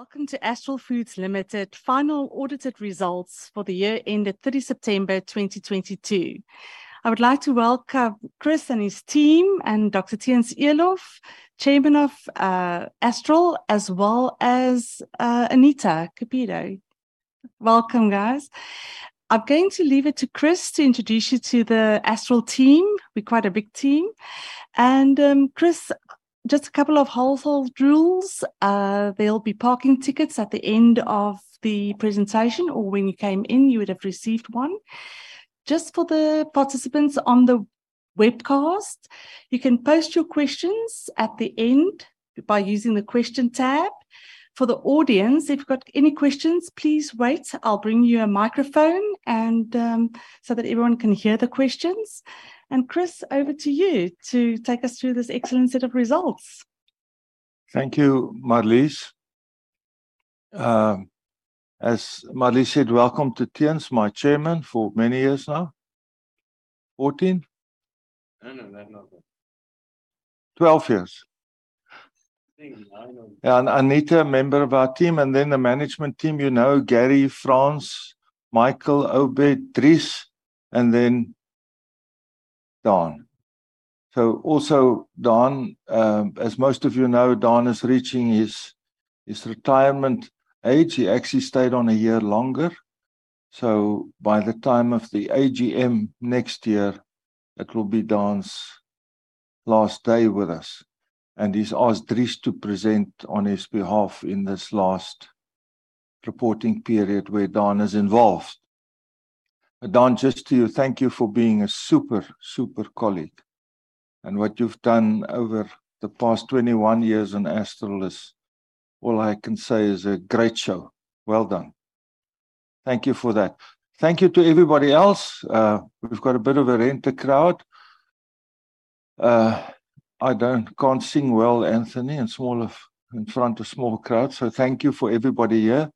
Welcome to Astral Foods Limited final audited results for the year ended 30 September 2022. I would like to welcome Chris and his team and Dr. Theuns Eloff, Chairman of Astral, as well as Anita Cupido. Welcome, guys. I'm going to leave it to Chris to introduce you to the Astral team. We're quite a big team. Chris, just a couple of household rules. There'll be parking tickets at the end of the presentation or when you came in, you would have received one. Just for the participants on the webcast, you can post your questions at the end by using the question tab. For the audience, if you've got any questions, please wait. I'll bring you a microphone and, so that everyone can hear the questions. Chris, over to you to take us through this excellent set of results. Thank you, Marlies. As Marlies said, welcome to Theuns, my chairman for many years now. 14? No, no. Not that. 12 years. 13.9. Anita, a member of our team, and then the management team, you know, Gary, Frans, Michael, Obed, Dries, and then Dan. Also Dan, as most of you know, Dan is reaching his retirement age. He actually stayed on a year longer. By the time of the AGM next year, it will be Dan's last day with us, and he's asked Dries to present on his behalf in this last reporting period where Dan is involved. Dan, just to thank you for being a super colleague. What you've done over the past 21 years in Astral is... all I can say is a great show. Well done. Thank you for that. Thank you to everybody else. We've got a bit of a rent-a-crowd. I can't sing well, Anthony, in front of small crowds. Thank you for everybody here.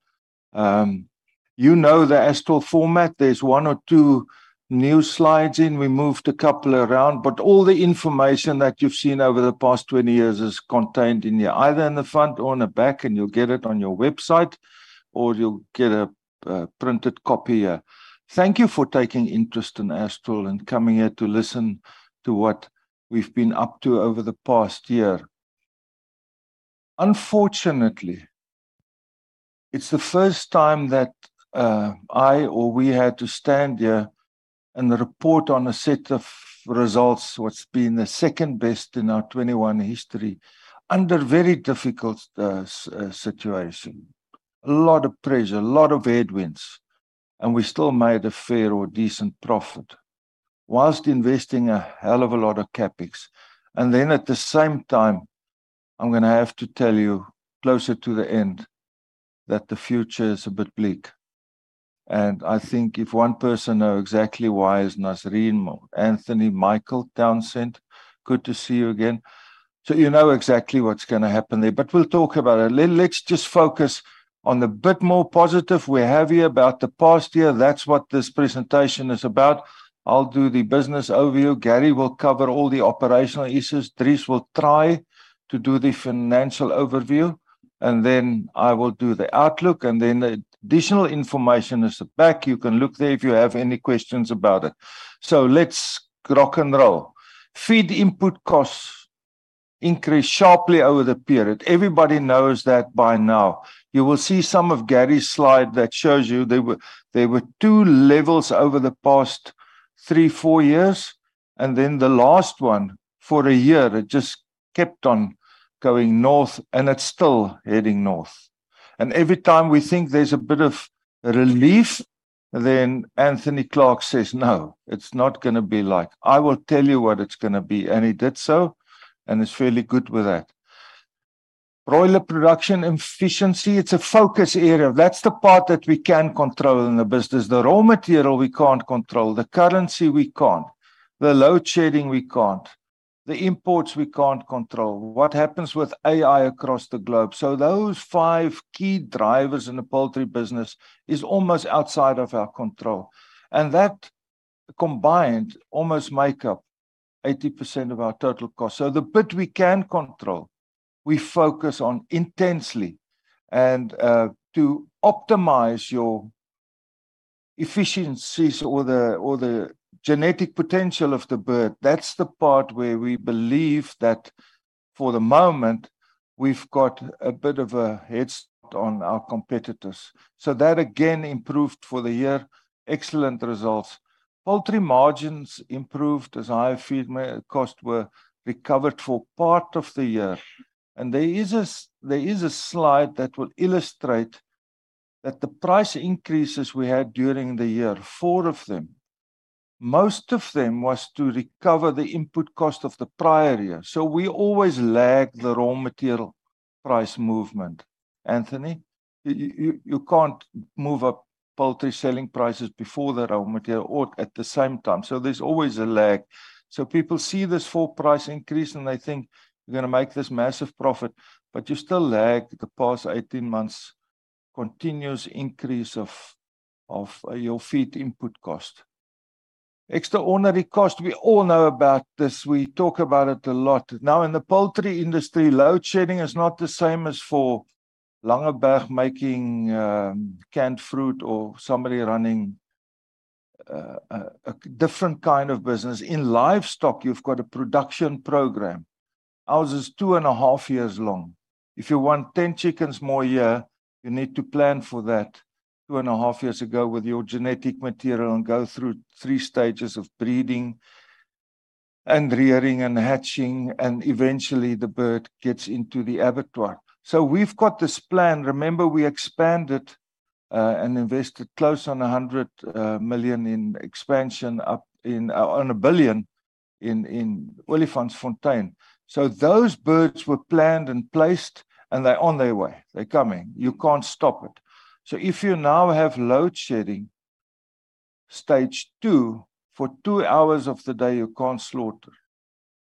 You know the Astral format. There's one or two new slides in. We moved a couple around, but all the information that you've seen over the past 20 years is contained in here, either in the front or in the back, and you'll get it on your website, or you'll get a printed copy here. Thank you for taking interest in Astral and coming here to listen to what we've been up to over the past year. Unfortunately, it's the first time that I or we had to stand here and report on a set of results what's been the second-best in our 21 history under very difficult situation. A lot of pressure, a lot of headwinds, and we still made a fair or decent profit whilst investing a hell of a lot of CapEx. At the same time, I'm gonna have to tell you, closer to the end, that the future is a bit bleak. I think if one person know exactly why is Nasreen, Anthony, Michael Townsend. Good to see you again. You know exactly what's gonna happen there. We'll talk about it. Let's just focus on the bit more positive we have here about the past year. That's what this presentation is about. I'll do the business overview. Gary will cover all the operational issues. Dries will try to do the financial overview, I will do the outlook, additional information is at the back. You can look there if you have any questions about it. Let's rock and roll. Feed input costs increased sharply over the period. Everybody knows that by now. You will see some of Gary's slide that shows you there were two levels over the past three, four years, and then the last one, for a year, it just kept on going north, and it's still heading north. Every time we think there's a bit of relief, then Anthony Clark says, "No, it's not gonna be like. I will tell you what it's gonna be." He did so, and he's fairly good with that. Broiler production efficiency, it's a focus area. That's the part that we can control in the business. The raw material, we can't control. The currency, we can't. The load shedding, we can't. The imports, we can't control. What happens with AI across the globe. Those five key drivers in the poultry business is almost outside of our control, and that combined almost make up 80% of our total cost. The bit we can control, we focus on intensely and to optimize your efficiencies or the genetic potential of the bird. That's the part where we believe that for the moment we've got a bit of a headstart on our competitors. That again improved for the year. Excellent results. Poultry margins improved as higher feed costs were recovered for part of the year. There is a slide that will illustrate that the price increases we had during the year, four of them, most of them was to recover the input cost of the prior year. We always lag the raw material price movement. Anthony, you can't move up poultry selling prices before the raw material or at the same time, so there's always a lag. People see this full price increase, and they think you're gonna make this massive profit, but you still lag the past 18 months continuous increase of your feed input cost. Extraordinary cost. We all know about this. We talk about it a lot. In the poultry industry, load shedding is not the same as for Langeberg making canned fruit or somebody running a different kind of business. In livestock, you've got a production program. Ours is two and a half years long. If you want 10 chickens more a year, you need to plan for that two and a half years ago with your genetic material and go through three stages of breeding and rearing and hatching, and eventually the bird gets into the abattoir. We've got this plan. Remember we expanded and invested close on 100 million in expansion on 1 billion in Olifantsfontein. Those birds were planned and placed and they're on their way. They're coming. You can't stop it. If you now have load shedding, stage two, for two hours of the day you can't slaughter.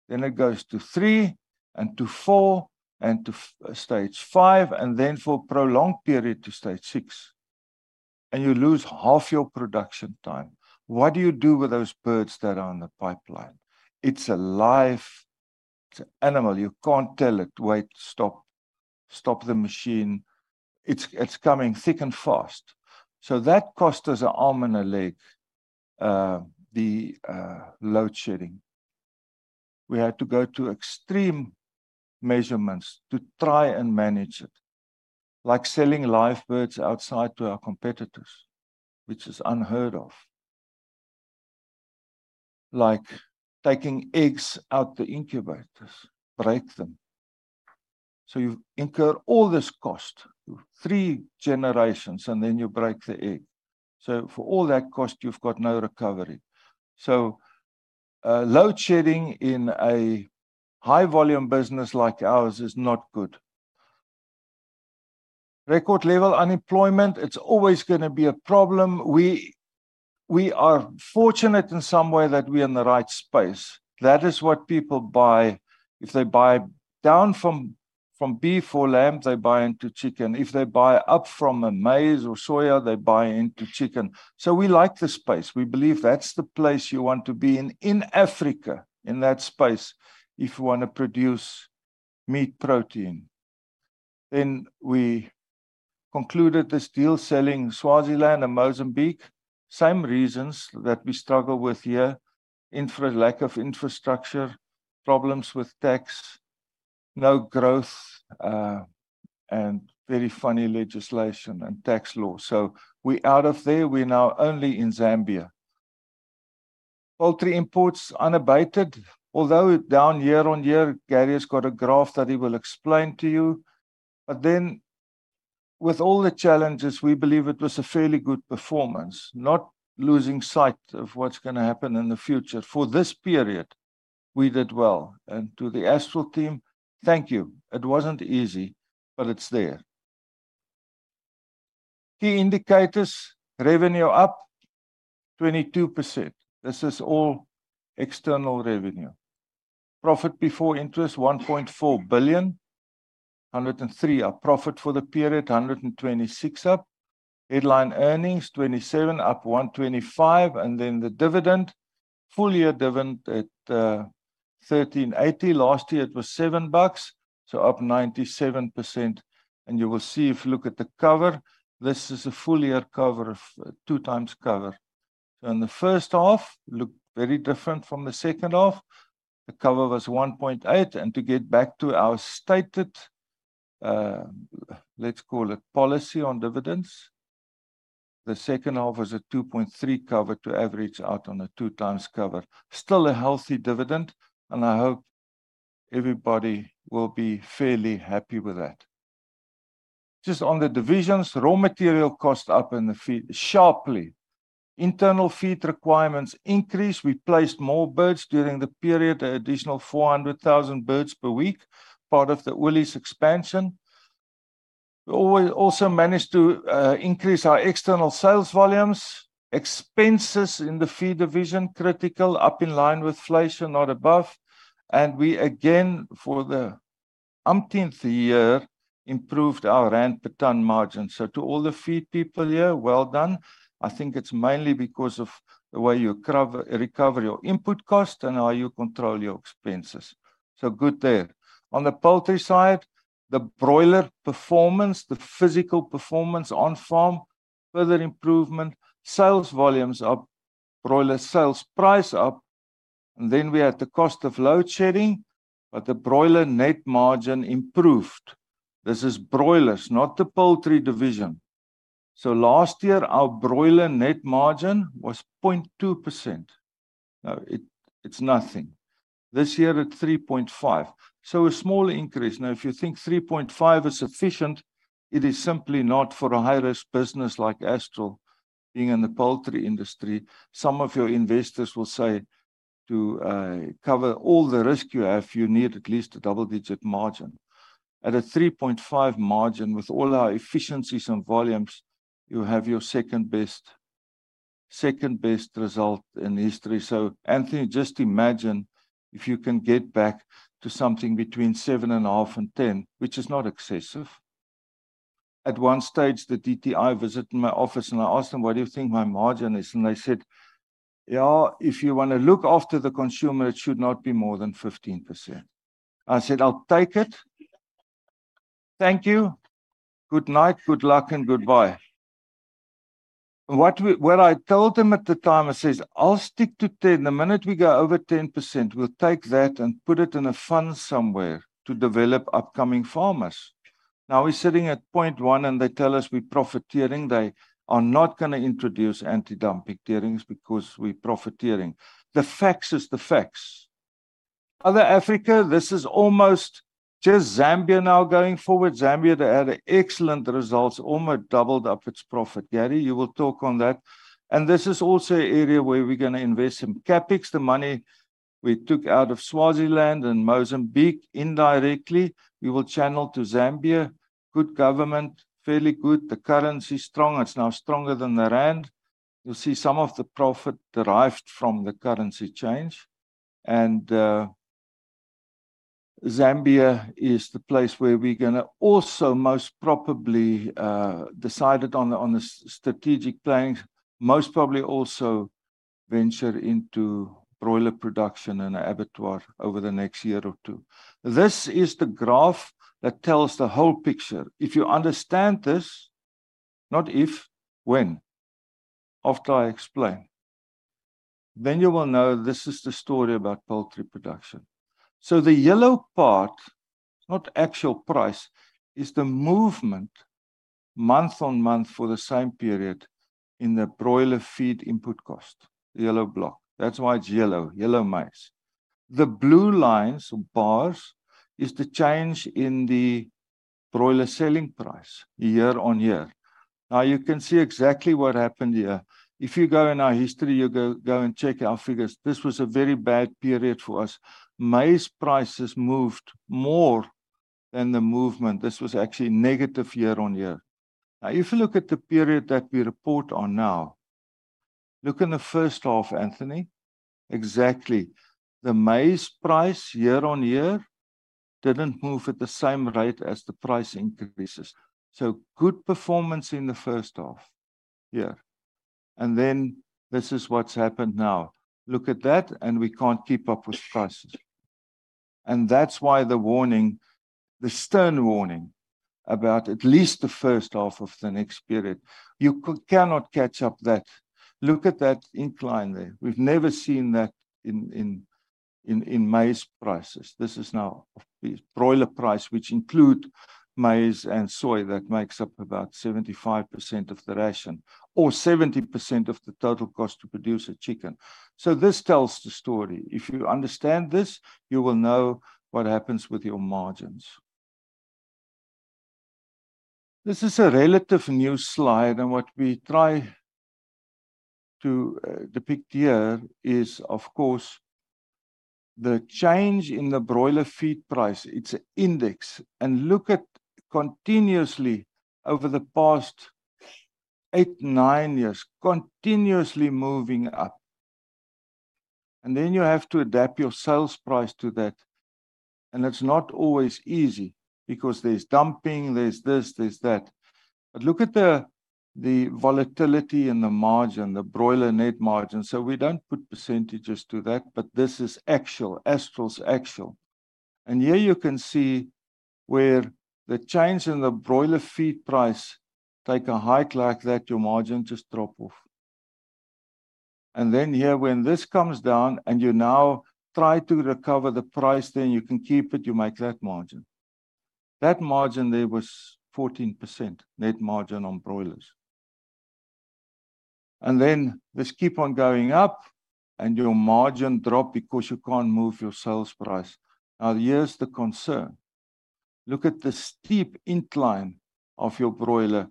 It goes to three and to four and to stage five, and then for a prolonged period to stage six and you lose half your production time. What do you do with those birds that are in the pipeline? It's a live animal. You can't tell it, "Wait. Stop. Stop the machine." It's coming thick and fast. That cost us an arm and a leg, the load shedding. We had to go to extreme measurements to try and manage it, like selling live birds outside to our competitors, which is unheard of. Like taking eggs out the incubators, break them. You've incurred all this cost, three generations, and then you break the egg. For all that cost, you've got no recovery. load shedding in a high volume business like ours is not good. Record level unemployment, it's always gonna be a problem. We are fortunate in some way that we're in the right space. That is what people buy. If they buy down from beef or lamb, they buy into chicken. If they buy up from maize or soya, they buy into chicken. We like the space. We believe that's the place you want to be in Africa, in that space if you wanna produce meat protein. We concluded this deal selling Swaziland and Mozambique. Same reasons that we struggle with here. Lack of infrastructure, problems with tax, no growth, and very funny legislation and tax laws. We out of there. We're now only in Zambia. Poultry imports unabated, although down year-on-year. Gary has got a graph that he will explain to you. With all the challenges, we believe it was a fairly good performance, not losing sight of what's gonna happen in the future. For this period we did well. To the Astral team, thank you. It wasn't easy, but it's there. Key indicators: Revenue up 22%. This is all external revenue. Profit before interest, 1.4 billion. 103. Our profit for the period, 126 up. Headline earnings, 27, up 125. The dividend. Full year dividend at 13.80. Last year it was ZAR 7, up 97%. You will see if you look at the cover, this is a full year cover of 2 times cover. In the first half looked very different from the second half. The cover was 1.8. To get back to our stated, let's call it policy on dividends, the second half was a 2.3 cover to average out on a 2 times cover. Still a healthy dividend, and I hope everybody will be fairly happy with that. Just on the divisions, raw material cost up in the feed sharply. Internal feed requirements increased. We placed more birds during the period, an additional 400,000 birds per week, part of the Woolies expansion. We also managed to increase our external sales volumes. Expenses in the feed division, critical, up in line with inflation, not above. We again, for the umpteenth year, improved our rand per ton margin. To all the feed people here, well done. I think it's mainly because of the way you recover your input cost and how you control your expenses. Good there. On the poultry side, the broiler performance, the physical performance on farm, further improvement. Sales volumes up. Broiler sales price up. We had the cost of load shedding. The broiler net margin improved. This is broilers, not the poultry division. Last year our broiler net margin was 0.2%. It's nothing. This year at 3.5%, a small increase. If you think 3.5% is sufficient, it is simply not for a high-risk business like Astral. Being in the poultry industry, some of your investors will say to cover all the risk you have, you need at least a double-digit margin. At a 3.5% margin with all our efficiencies and volumes, you have your second best result in history. Anthony, just imagine if you can get back to something between 7.5% and 10%, which is not excessive. At one stage, the dtic visited my office and I asked them, "What do you think my margin is?" They said, "Ja, if you wanna look after the consumer, it should not be more than 15%." I said, "I'll take it. Thank you. Good night, good luck and goodbye." What I told them at the time, I says, "I'll stick to 10%. The minute we go over 10%, we'll take that and put it in a fund somewhere to develop upcoming farmers. We're sitting at 0.1% and they tell us we're profiteering. They are not going to introduce anti-dumping hearings because we're profiteering. The facts is the facts. Other Africa, this is almost just Zambia now going forward. Zambia they had excellent results, almost doubled up its profit. Gary, you will talk on that. This is also a area where we're going to invest some CapEx. The money we took out of Swaziland and Mozambique indirectly we will channel to Zambia. Good government, fairly good. The currency's strong. It's now stronger than the rand. You'll see some of the profit derived from the currency change. Zambia is the place where we're gonna also most probably decided on the strategic plans, most probably also venture into broiler production and a abattoir over the next year or two. This is the graph that tells the whole picture. If you understand this, not if, when. After I explain, then you will know this is the story about poultry production. The yellow part, it's not actual price, is the movement month-on-month for the same period in the broiler feed input cost. The yellow block. That's why it's yellow maize. The blue lines or bars is the change in the broiler selling price year-on-year. You can see exactly what happened here. If you go in our history, you go and check our figures. This was a very bad period for us. Maize prices moved more than the movement. This was actually negative year-on-year. If you look at the period that we report on now, look in the first half, Anthony. Exactly. The maize price year-on-year didn't move at the same rate as the price increases, so good performance in the first half. Yeah. This is what's happened now. Look at that, and we can't keep up with prices. That's why the warning, the stern warning about at least the first half of the next period. You cannot catch up that... Look at that incline there. We've never seen that in maize prices. This is now of the broiler price which includes maize and soy that makes up about 75% of the ration or 70% of the total cost to produce a chicken. This tells the story. If you understand this, you will know what happens with your margins. This is a relative new slide, and what we try to depict here is, of course, the change in the broiler feed price. It's a index. Look at continuously over the past eight, nine years continuously moving up. Then you have to adapt your sales price to that, and it's not always easy because there's dumping, there's this, there's that. Look at the volatility in the margin, the broiler net margin. We don't put percentages to that, but this is actual, Astral's actual. Here you can see where the change in the broiler feed price take a hike like that, your margin just drop off. Then here when this comes down and you now try to recover the price, then you can keep it, you make that margin. That margin there was 14% net margin on broilers. This keep on going up and your margin drop because you can't move your sales price. Here's the concern. Look at the steep incline of your broiler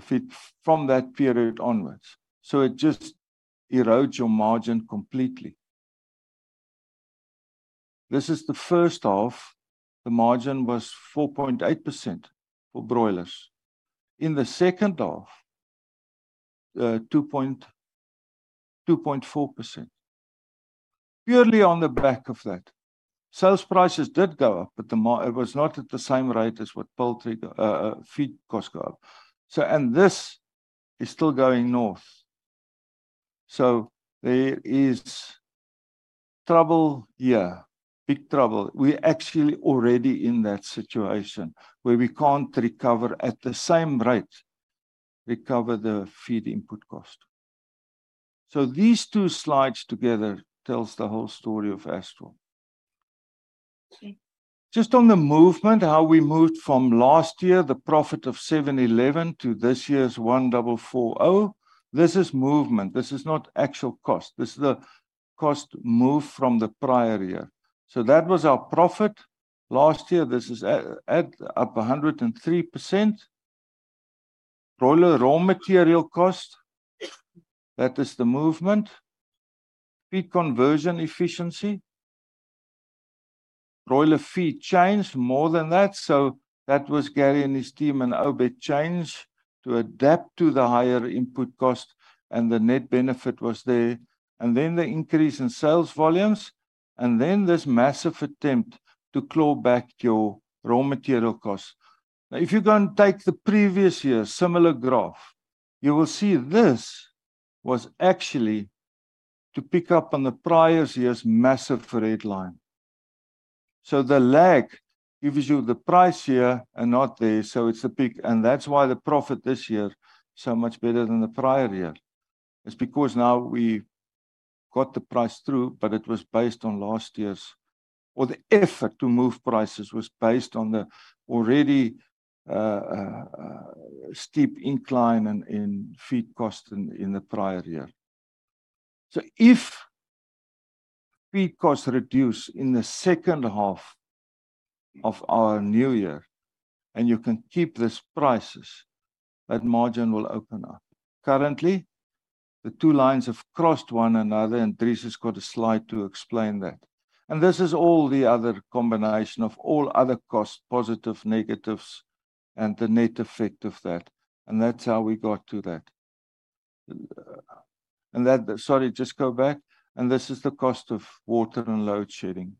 feed from that period onwards. It just erodes your margin completely. This is the first half. The margin was 4.8% for broilers. In the second half, 2.4%. Purely on the back of that. Sales prices did go up but it was not at the same rate as what poultry feed cost go up. This is still going north. There is trouble here. Big trouble. We're actually already in that situation where we can't recover at the same rate, recover the feed input cost. These two slides together tells the whole story of Astral. Just on the movement, how we moved from last year, the profit of 711 to this year's 1,440. This is movement. This is not actual cost. This is the cost move from the prior year. That was our profit. Last year, this is up 103%. Broiler raw material cost, that is the movement. Feed conversion efficiency, broiler feed changed more than that, so that was Gary and his team and Obed changed to adapt to the higher input cost and the net benefit was there. The increase in sales volumes, and then this massive attempt to claw back your raw material costs. If you're gonna take the previous year's similar graph, you will see this was actually to pick up on the prior year's massive red line. The lag gives you the price here and not there, so it's a peak, and that's why the profit this year so much better than the prior year. The effort to move prices was based on the already steep incline in feed cost in the prior year. If feed costs reduce in the second half of our new year, and you can keep these prices, that margin will open up. Currently, the two lines have crossed one another. Dries has got a slide to explain that. This is all the other combination of all other costs, positive, negatives, and the net effect of that, and that's how we got to that. That... Sorry, just go back, this is the cost of water and load shedding.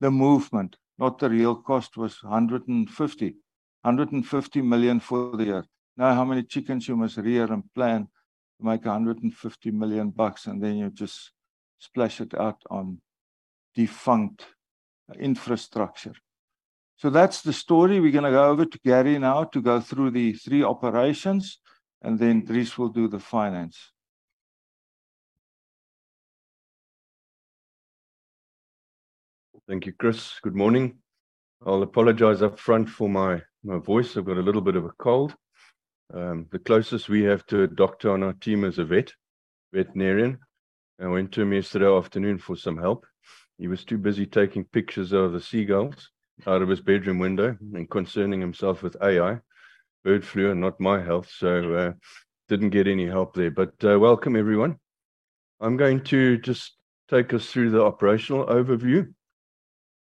The movement, not the real cost, was 150. 150 million for the year. How many chickens you must rear and plan to make ZAR 150 million, and then you just splash it out on defunct infrastructure. That's the story. We're going to go over to Gary now to go through the three operations, and then Dries will do the finance. Thank you, Chris. Good morning. I'll apologize up front for my voice. I've got a little bit of a cold. The closest we have to a doctor on our team is a veterinarian. I went to him yesterday afternoon for some help. He was too busy taking pictures of the seagulls out of his bedroom window and concerning himself with AI, bird flu, and not my health. Didn't get any help there. Welcome everyone. I'm going to just take us through the operational overview,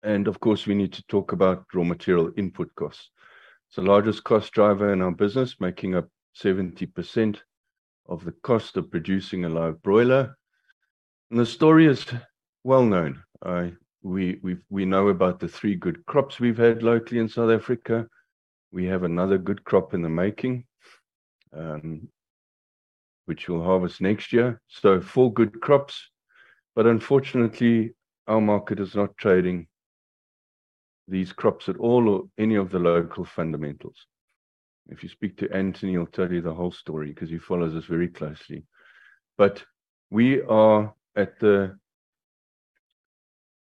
of course, we need to talk about raw material input costs. It's the largest cost driver in our business, making up 70% of the cost of producing a live broiler. The story is well known, we know about the three good crops we've had locally in South Africa. We have another good crop in the making, which we'll harvest next year. Four good crops. Unfortunately, our market is not trading these crops at all or any of the local fundamentals. If you speak to Anthony, he'll tell you the whole story 'cause he follows this very closely. We are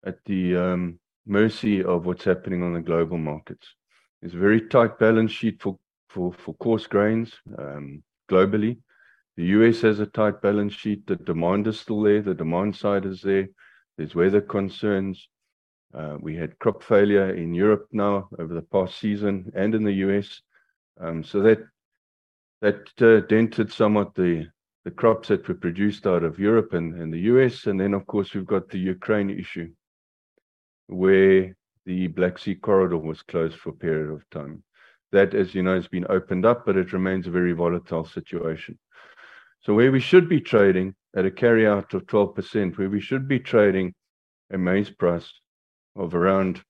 at the mercy of what's happening on the global markets. There's a very tight balance sheet for coarse grains globally. The U.S. has a tight balance sheet. The demand is still there. The demand side is there. There's weather concerns. We had crop failure in Europe now over the past season, and in the U.S. That dented somewhat the crops that were produced out of Europe and the U.S. Of course, we've got the Ukraine issue, where the Black Sea corridor was closed for a period of time. That, as you know, has been opened up, but it remains a very volatile situation. Where we should be trading at a carryout of 12%, where we should be trading a maize price of around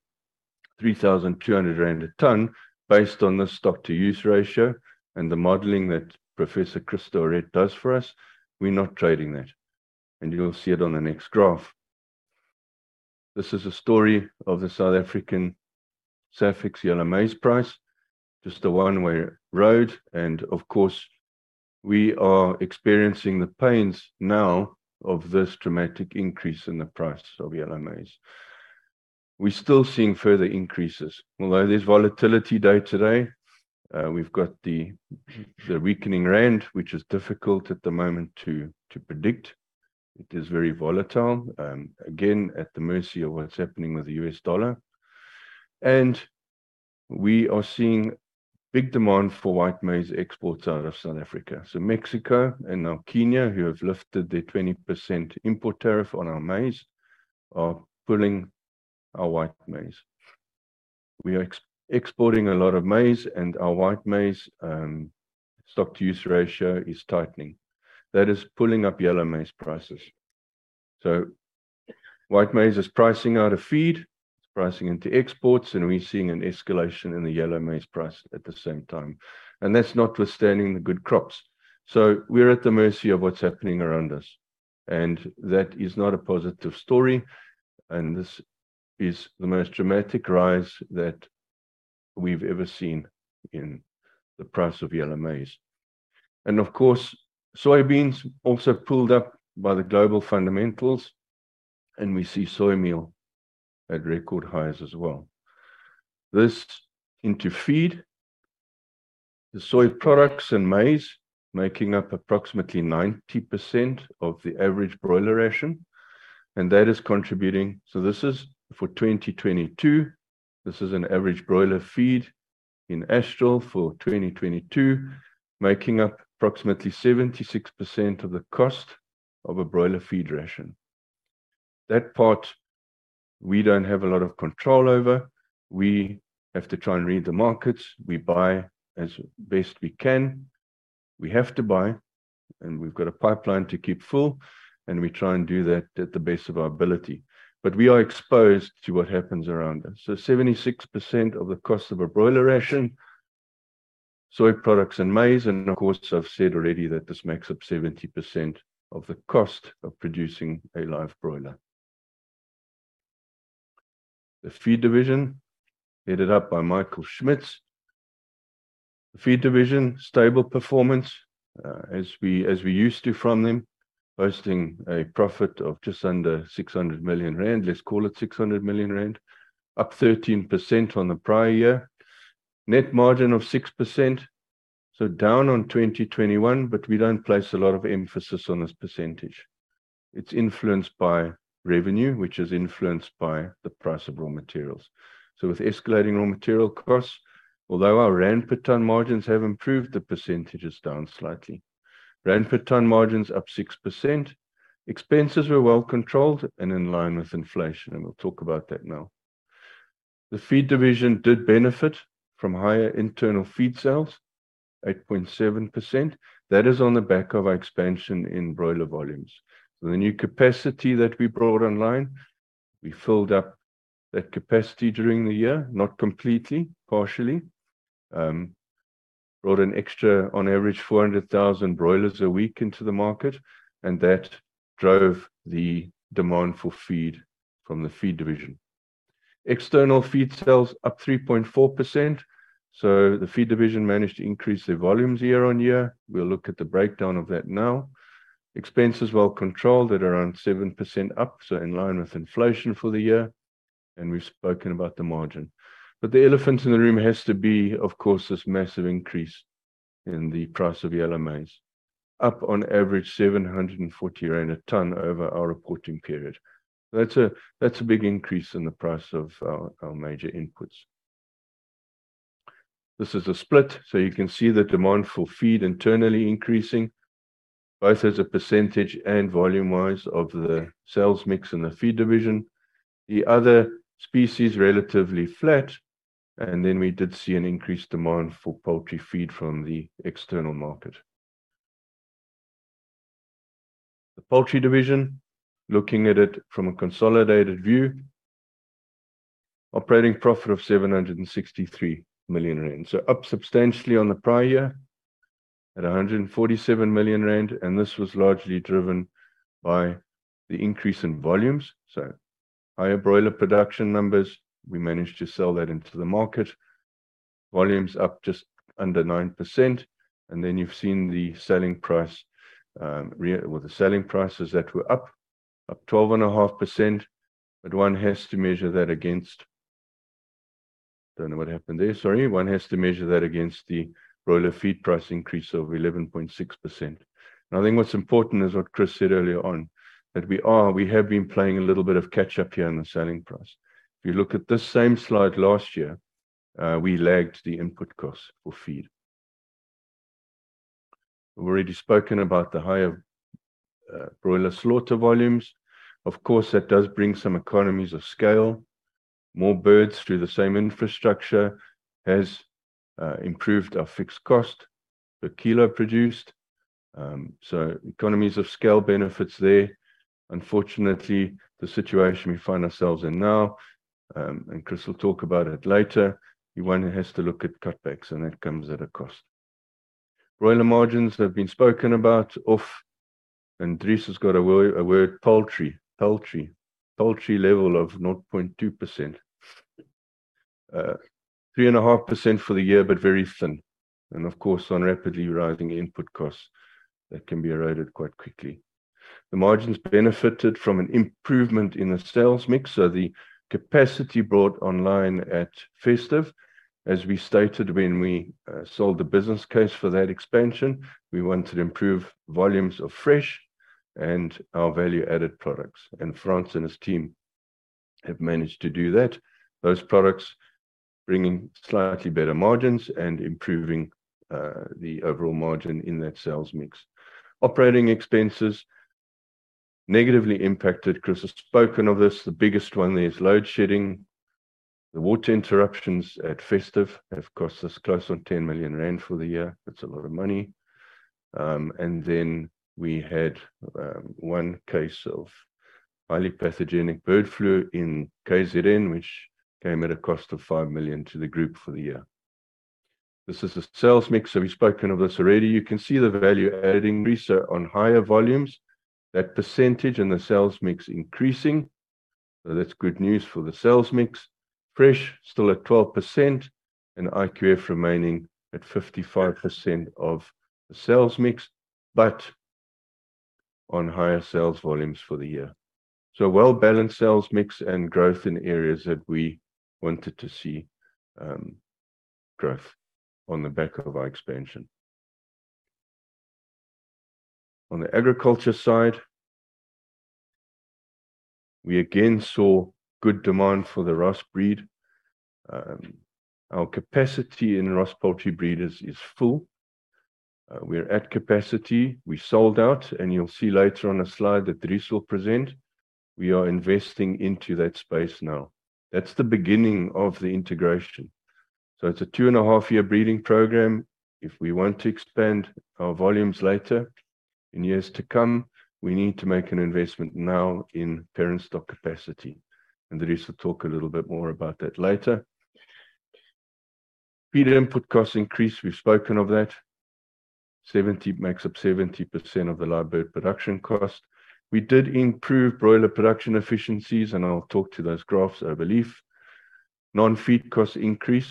3,200 rand a ton based on the stock-to-use ratio and the modeling that Professor Chris does for us, we're not trading that, and you'll see it on the next graph. This is a story of the South African SAFEX yellow maize price, just a one-way road. Of course, we are experiencing the pains now of this dramatic increase in the price of yellow maize. We're still seeing further increases. Although there's volatility day-to-day, we've got the weakening rand, which is difficult at the moment to predict. It is very volatile. Again, at the mercy of what's happening with the U.S. dollar. We are seeing big demand for white maize exports out of South Africa. Mexico and now Kenya, who have lifted their 20% import tariff on our maize, are pulling our white maize. We are exporting a lot of maize, and our white maize stock-to-use ratio is tightening. That is pulling up yellow maize prices. White maize is pricing out of feed. It's pricing into exports, and we're seeing an escalation in the yellow maize price at the same time, and that's notwithstanding the good crops. We're at the mercy of what's happening around us, and that is not a positive story. This is the most dramatic rise that we've ever seen in the price of yellow maize. Of course, soybeans also pulled up by the global fundamentals, and we see soy meal at record highs as well. This into feed. The soy products and maize making up approximately 90% of the average broiler ration. This is for 2022. This is an average broiler feed in Astral for 2022, making up approximately 76% of the cost of a broiler feed ration. That part we don't have a lot of control over. We have to try and read the markets. We buy as best we can. We have to buy, and we've got a pipeline to keep full, and we try and do that at the best of our ability. We are exposed to what happens around us. 76% of the cost of a broiler ration, soy products and maize. Of course, I've said already that this makes up 70% of the cost of producing a live broiler. The Feed division, headed up by Michael Schmitz. The Feed division, stable performance, as we're used to from them, posting a profit of just under 600 million rand. Let's call it 600 million rand, up 13% on the prior year. Net margin of 6%, so down on 2021, but we don't place a lot of emphasis on this percentage. It's influenced by revenue, which is influenced by the price of raw materials. With escalating raw material costs, although our rand per ton margins have improved, the percentage is down slightly. Rand per ton margin's up 6%. Expenses were well controlled and in line with inflation. We'll talk about that now. The Feed division did benefit from higher internal feed sales, 8.7%. That is on the back of our expansion in broiler volumes. The new capacity that we brought online, we filled up that capacity during the year, not completely, partially. Brought an extra on average 400,000 broilers a week into the market. That drove the demand for feed from the Feed division. External feed sales up 3.4%. The Feed division managed to increase their volumes year-on-year. We'll look at the breakdown of that now. Expenses well controlled at around 7% up, in line with inflation for the year. We've spoken about the margin. The elephant in the room has to be, of course, this massive increase in the price of yellow maize, up on average 740 rand a ton over our reporting period. That's a big increase in the price of our major inputs. This is a split, so you can see the demand for feed internally increasing both as a % and volume wise of the sales mix in the Feed division. The other species relatively flat. We did see an increased demand for poultry feed from the external market. The Poultry division, looking at it from a consolidated view. Operating profit of 763 million rand. Up substantially on the prior year at 147 million rand, and this was largely driven by the increase in volumes. Higher broiler production numbers, we managed to sell that into the market. Volumes up just under 9%. You've seen the selling price with the selling prices that were up 12.5%. One has to measure that against... Don't know what happened there. Sorry. One has to measure that against the broiler feed price increase of 11.6%. I think what's important is what Chris Hart said earlier on, that we have been playing a little bit of catch up here on the selling price. If you look at this same slide last year, we lagged the input cost for feed. We've already spoken about the higher broiler slaughter volumes. Of course, that does bring some economies of scale. More birds through the same infrastructure has improved our fixed cost per kilo produced. Economies of scale benefits there. Unfortunately, the situation we find ourselves in now, and Chris will talk about it later, one has to look at cutbacks, and that comes at a cost. Broiler margins have been spoken about off, and Chris has got a word, paltry. Paltry level of 0.2%. 3.5% for the year, but very thin. Of course, on rapidly rising input costs, that can be eroded quite quickly. The margins benefited from an improvement in the sales mix. The capacity brought online at Festive, as we stated when we sold the business case for that expansion, we wanted to improve volumes of fresh and our value-added products. Frans and his team have managed to do that, those products bringing slightly better margins and improving the overall margin in that sales mix. Operating expenses negatively impacted. Chris has spoken of this. The biggest one there is load shedding. The water interruptions at Festive have cost us close on 10 million rand for the year. That's a lot of money. Then we had one case of highly pathogenic bird flu in KZN, which came at a cost of 5 million to the group for the year. This is the sales mix. We've spoken of this already. You can see the value adding increase on higher volumes. That percentage and the sales mix increasing. That's good news for the sales mix. Fresh still at 12% and IQF remaining at 55% of the sales mix, but on higher sales volumes for the year. Well-balanced sales mix and growth in areas that we wanted to see growth on the back of our expansion. On the agriculture side, we again saw good demand for the Ross breed. Our capacity in Ross Poultry Breeders is full. We're at capacity. We sold out, and you'll see later on a slide that Dries will present, we are investing into that space now. That's the beginning of the integration. It's a two-and-a-half year breeding program. If we want to expand our volumes later in years to come, we need to make an investment now in parent stock capacity, and Dries will talk a little bit more about that later. Feed input costs increase. We've spoken of that. 70% of the live bird production cost. We did improve broiler production efficiencies, and I'll talk to those graphs, I believe. Non-feed costs increase.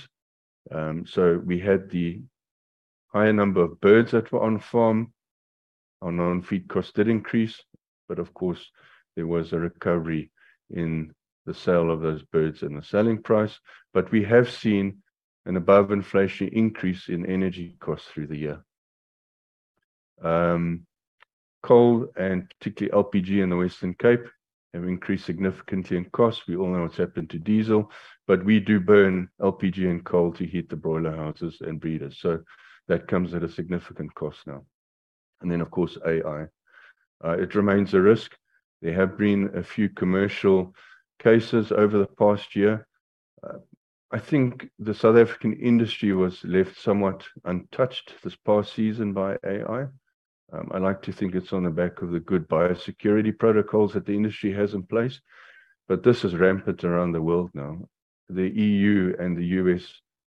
We had the higher number of birds that were on farm. Our non-feed costs did increase, but of course, there was a recovery in the sale of those birds and the selling price. We have seen an above-inflation increase in energy costs through the year. Coal, and particularly LPG in the Western Cape, have increased significantly in cost. We all know what's happened to diesel, but we do burn LPG and coal to heat the broiler houses and breeders, so that comes at a significant cost now. Of course, AI. It remains a risk. There have been a few commercial cases over the past year. I think the South African industry was left somewhat untouched this past season by AI. I like to think it's on the back of the good biosecurity protocols that the industry has in place, but this is rampant around the world now. The EU and the U.S.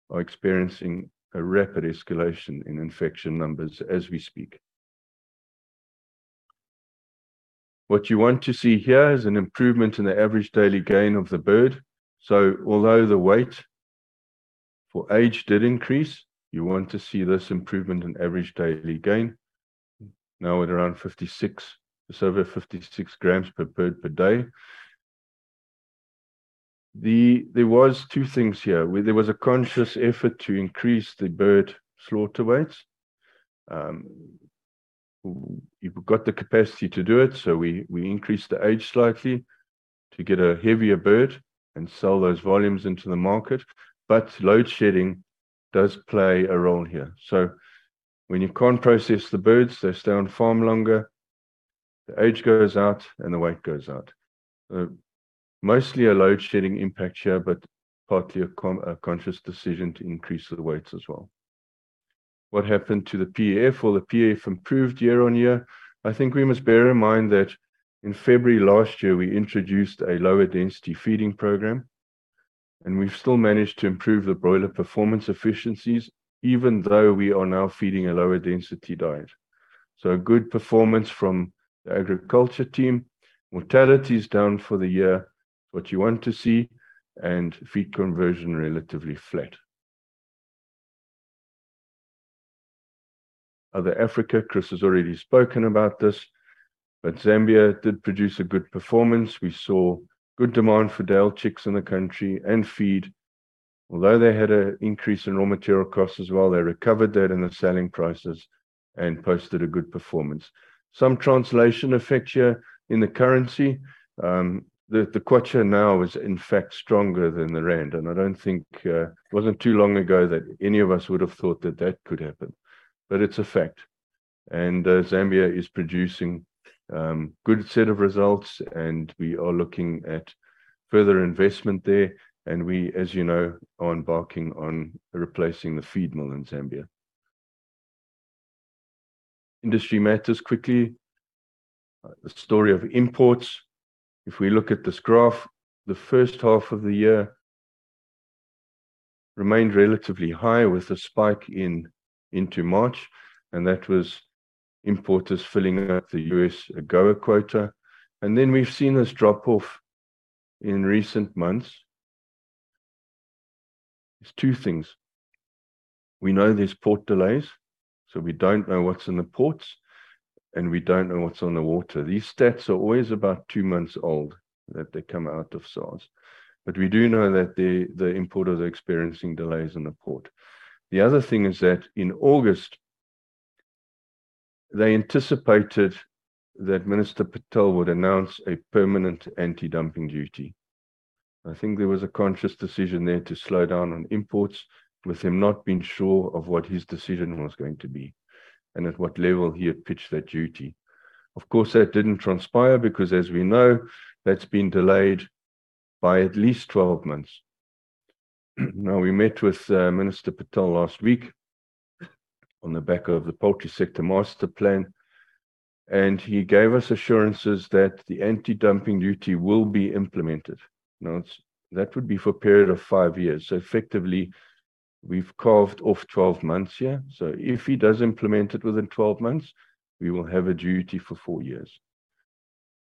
are experiencing a rapid escalation in infection numbers as we speak. What you want to see here is an improvement in the average daily gain of the bird. Although the weight for age did increase, you want to see this improvement in average daily gain. Now at around 56, just over 56 g per bird per day. There was two things here. There was a conscious effort to increase the bird slaughter weights. We've got the capacity to do it, so we increased the age slightly to get a heavier bird and sell those volumes into the market. Load shedding does play a role here. When you can't process the birds, they stay on farm longer, the age goes out, and the weight goes out. Mostly a load shedding impact here, but partly a conscious decision to increase the weights as well. What happened to the PAF? Well, the PAF improved year-on-year. I think we must bear in mind that in February last year, we introduced a lower density feeding program, and we've still managed to improve the broiler performance efficiencies, even though we are now feeding a lower density diet. A good performance from the agriculture team. Mortality is down for the year, what you want to see, and feed conversion relatively flat. Other Africa, Chris has already spoken about this, but Zambia did produce a good performance. We saw good demand for day-old chicks in the country and feed. Although they had an increase in raw material costs as well, they recovered that in the selling prices and posted a good performance. Some translation effects here in the currency. The kwacha now is in fact stronger than the rand, and I don't think it wasn't too long ago that any of us would have thought that that could happen. It's a fact. Zambia is producing good set of results, and we are looking at further investment there. We, as you know, are embarking on replacing the feed mill in Zambia. Industry matters quickly. The story of imports, if we look at this graph, the first half of the year remained relatively high with a spike into March, that was importers filling out the U.S. AGOA quota. We've seen this drop off in recent months. There's two things. We know there's port delays, we don't know what's in the ports, we don't know what's on the water. These stats are always about two months old that they come out of SARS. We do know that the importers are experiencing delays in the port. The other thing is that in August, they anticipated that Minister Patel would announce a permanent anti-dumping duty. I think there was a conscious decision there to slow down on imports with him not being sure of what his decision was going to be and at what level he had pitched that duty. Of course, that didn't transpire because as we know, that's been delayed by at least 12 months. We met with Minister Patel last week on the back of the Poultry Sector Master Plan, he gave us assurances that the anti-dumping duty will be implemented. That would be for a period of 5 years. Effectively, we've carved off 12 months here. If he does implement it within 12 months, we will have a duty for 4 years.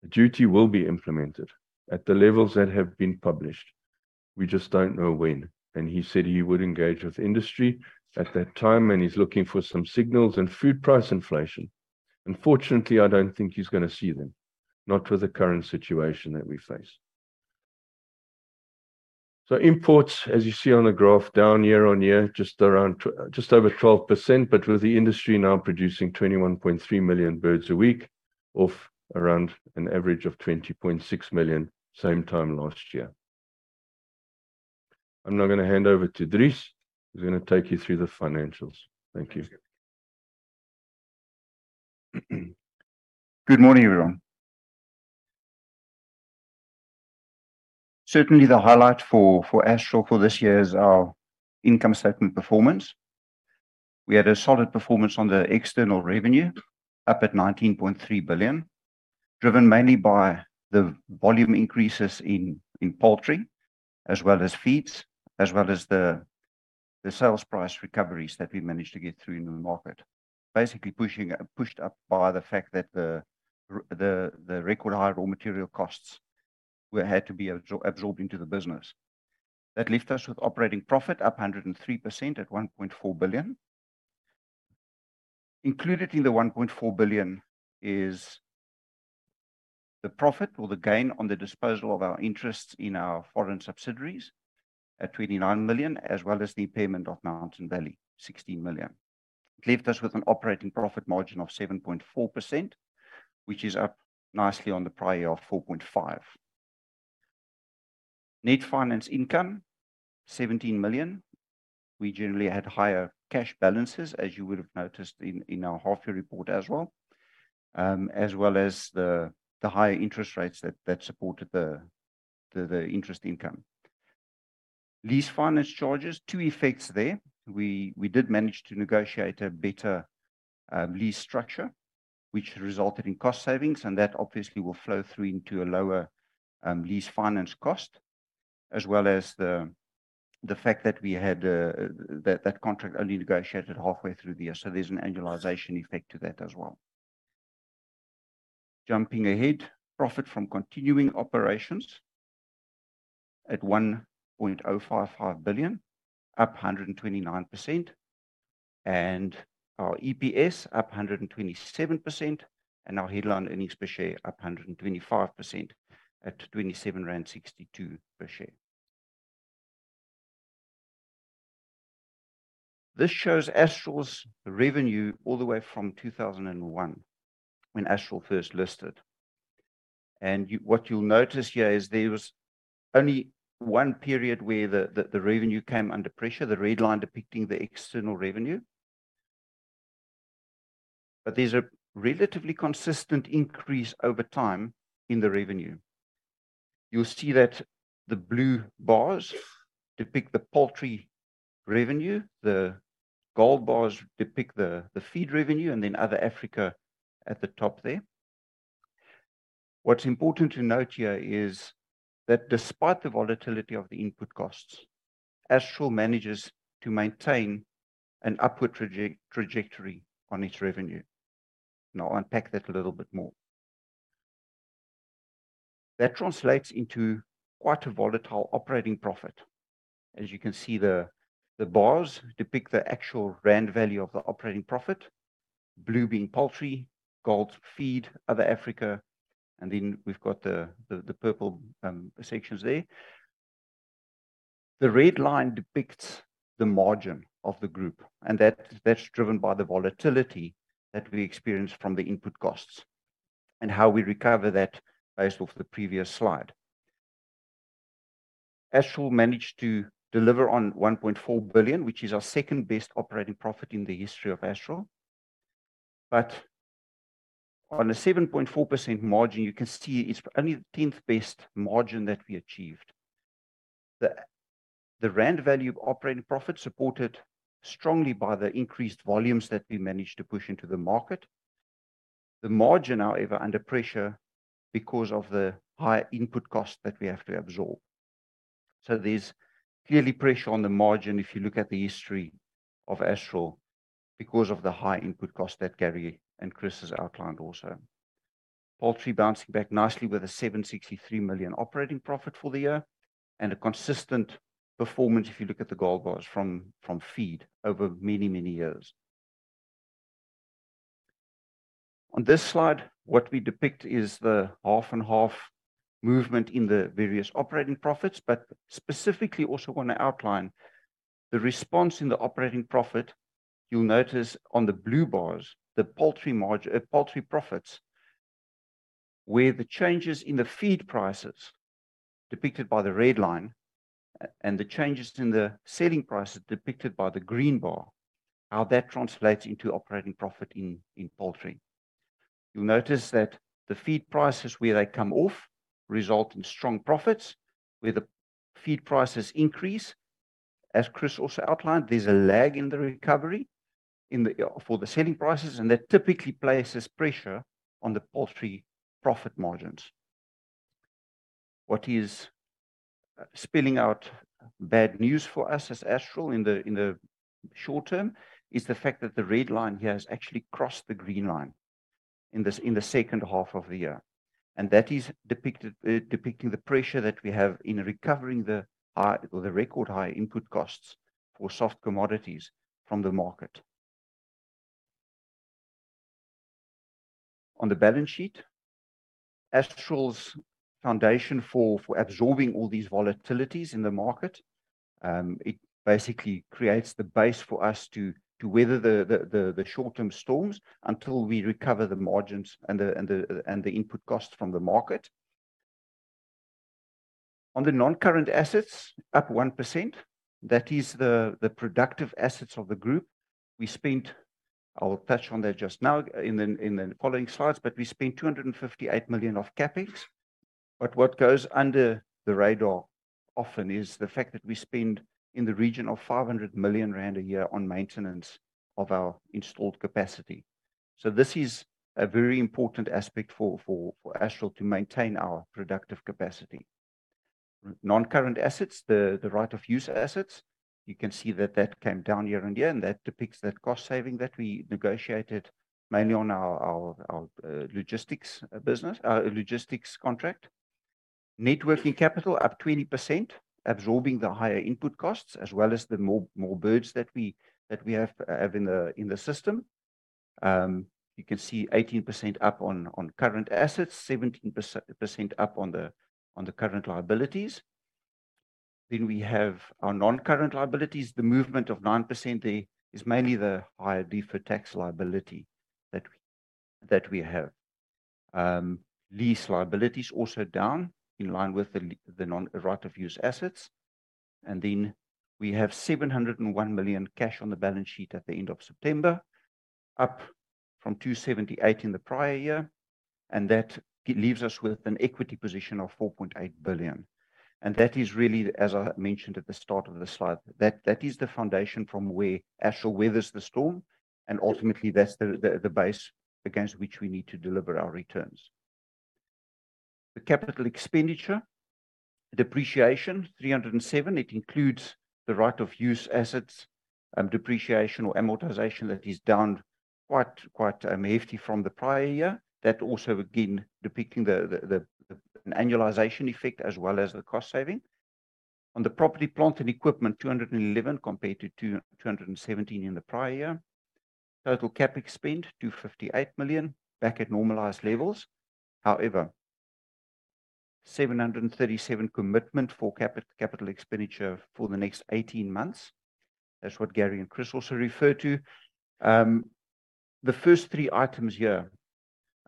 The duty will be implemented at the levels that have been published. We just don't know when. He said he would engage with industry at that time, and he's looking for some signals and food price inflation. Unfortunately, I don't think he's gonna see them, not with the current situation that we face. Imports, as you see on the graph, down year-on-year, just over 12%, but with the industry now producing 21.3 million birds a week, off around an average of 20.6 million same time last year. I'm now gonna hand over to Dries, who's gonna take you through the financials. Thank you. Good morning, everyone. Certainly the highlight for Astral for this year is our income statement performance. We had a solid performance on the external revenue, up at 19.3 billion, driven mainly by the volume increases in poultry as well as feeds, as well as the sales price recoveries that we managed to get through in the market. Basically pushed up by the fact that the record high raw material costs had to be absorbed into the business. That left us with operating profit up 103% at 1.4 billion. Included in the 1.4 billion is the profit or the gain on the disposal of our interests in our foreign subsidiaries at 29 million, as well as the payment of Mountain Valley, 16 million. It left us with an operating profit margin of 7.4%, which is up nicely on the prior year of 4.5%. Net finance income, 17 million. We generally had higher cash balances, as you would have noticed in our half year report as well, as well as the higher interest rates that supported the interest income. Lease finance charges, two effects there. We did manage to negotiate a better lease structure, which resulted in cost savings, and that obviously will flow through into a lower lease finance cost, as well as the fact that we had that contract only negotiated halfway through the year. There's an annualization effect to that as well. Jumping ahead, profit from continuing operations at ZAR 1.055 billion, up 129%. Our EPS up 127%, and our headline earnings per share up 125% at 27.62 rand per share. This shows Astral's revenue all the way from 2001 when Astral first listed. What you'll notice here is there was only one period where the revenue came under pressure, the red line depicting the external revenue. There's a relatively consistent increase over time in the revenue. You'll see that the blue bars depict the poultry revenue. The gold bars depict the feed revenue, and then other Africa at the top there. What's important to note here is that despite the volatility of the input costs, Astral manages to maintain an upward trajectory on its revenue. I'll unpack that a little bit more. That translates into quite a volatile operating profit. As you can see, the bars depict the actual rand value of the operating profit, blue being poultry, gold feed, other Africa, then we've got the purple sections there. The red line depicts the margin of the group, and that's driven by the volatility that we experience from the input costs and how we recover that based off the previous slide. Astral managed to deliver on 1.4 billion, which is our second-best operating profit in the history of Astral. On a 7.4% margin, you can see it's only the 10th-best margin that we achieved. The rand value of operating profit supported strongly by the increased volumes that we managed to push into the market. The margin, however, under pressure because of the higher input cost that we have to absorb. There's clearly pressure on the margin if you look at the history of Astral because of the high input cost that Gary and Chris has outlined also. Poultry bouncing back nicely with a 763 million operating profit for the year and a consistent performance if you look at the gold bars from Feed over many, many years. On this slide, what we depict is the half and half movement in the various operating profits, but specifically also wanna outline the response in the operating profit. You'll notice on the blue bars, the poultry profits, where the changes in the feed prices depicted by the red line and the changes in the selling prices depicted by the green bar, how that translates into operating profit in poultry. You'll notice that the feed prices where they come off result in strong profits. Where the feed prices increase, as Chris also outlined, there's a lag in the recovery in the for the selling prices, that typically places pressure on the poultry profit margins. What is spilling out bad news for us as Astral in the, in the short term is the fact that the red line here has actually crossed the green line in this, in the second half of the year, that is depicted depicting the pressure that we have in recovering the high or the record high input costs for soft commodities from the market. On the balance sheet. Astral's foundation for absorbing all these volatilities in the market, it basically creates the base for us to weather the short-term storms until we recover the margins and the input costs from the market. On the non-current assets, up 1%. That is the productive assets of the group. I will touch on that just now in the following slides, we spent 258 million of CapEx. What goes under the radar often is the fact that we spend in the region of 500 million rand a year on maintenance of our installed capacity. This is a very important aspect for Astral to maintain our productive capacity. Non-current assets, the right-of-use assets. You can see that that came down year-over-year, and that depicts that cost saving that we negotiated mainly on our logistics business, our logistics contract. Net working capital up 20%, absorbing the higher input costs as well as the more birds that we have in the system. You can see 18% up on current assets, 17% up on the current liabilities. We have our non-current liabilities. The movement of 9% there is mainly the higher deferred tax liability that we have. Lease liability is also down in line with the non right-of-use assets. We have 701 million cash on the balance sheet at the end of September, up from 278 million in the prior year. That leaves us with an equity position of 4.8 billion. That is really, as I mentioned at the start of the slide, that is the foundation from where Astral weathers the storm and ultimately that's the base against which we need to deliver our returns. The capital expenditure. Depreciation, 307 million. It includes the right-of-use assets, depreciation or amortization that is down quite hefty from the prior year. That also again depicting the annualization effect as well as the cost saving. On the property, plant and equipment, 211 million compared to 217 million in the prior year. Total CapEx spend, 258 million, back at normalized levels. 737 million commitment for capital expenditure for the next 18 months. That's what Gary and Chris also referred to. The first three items here,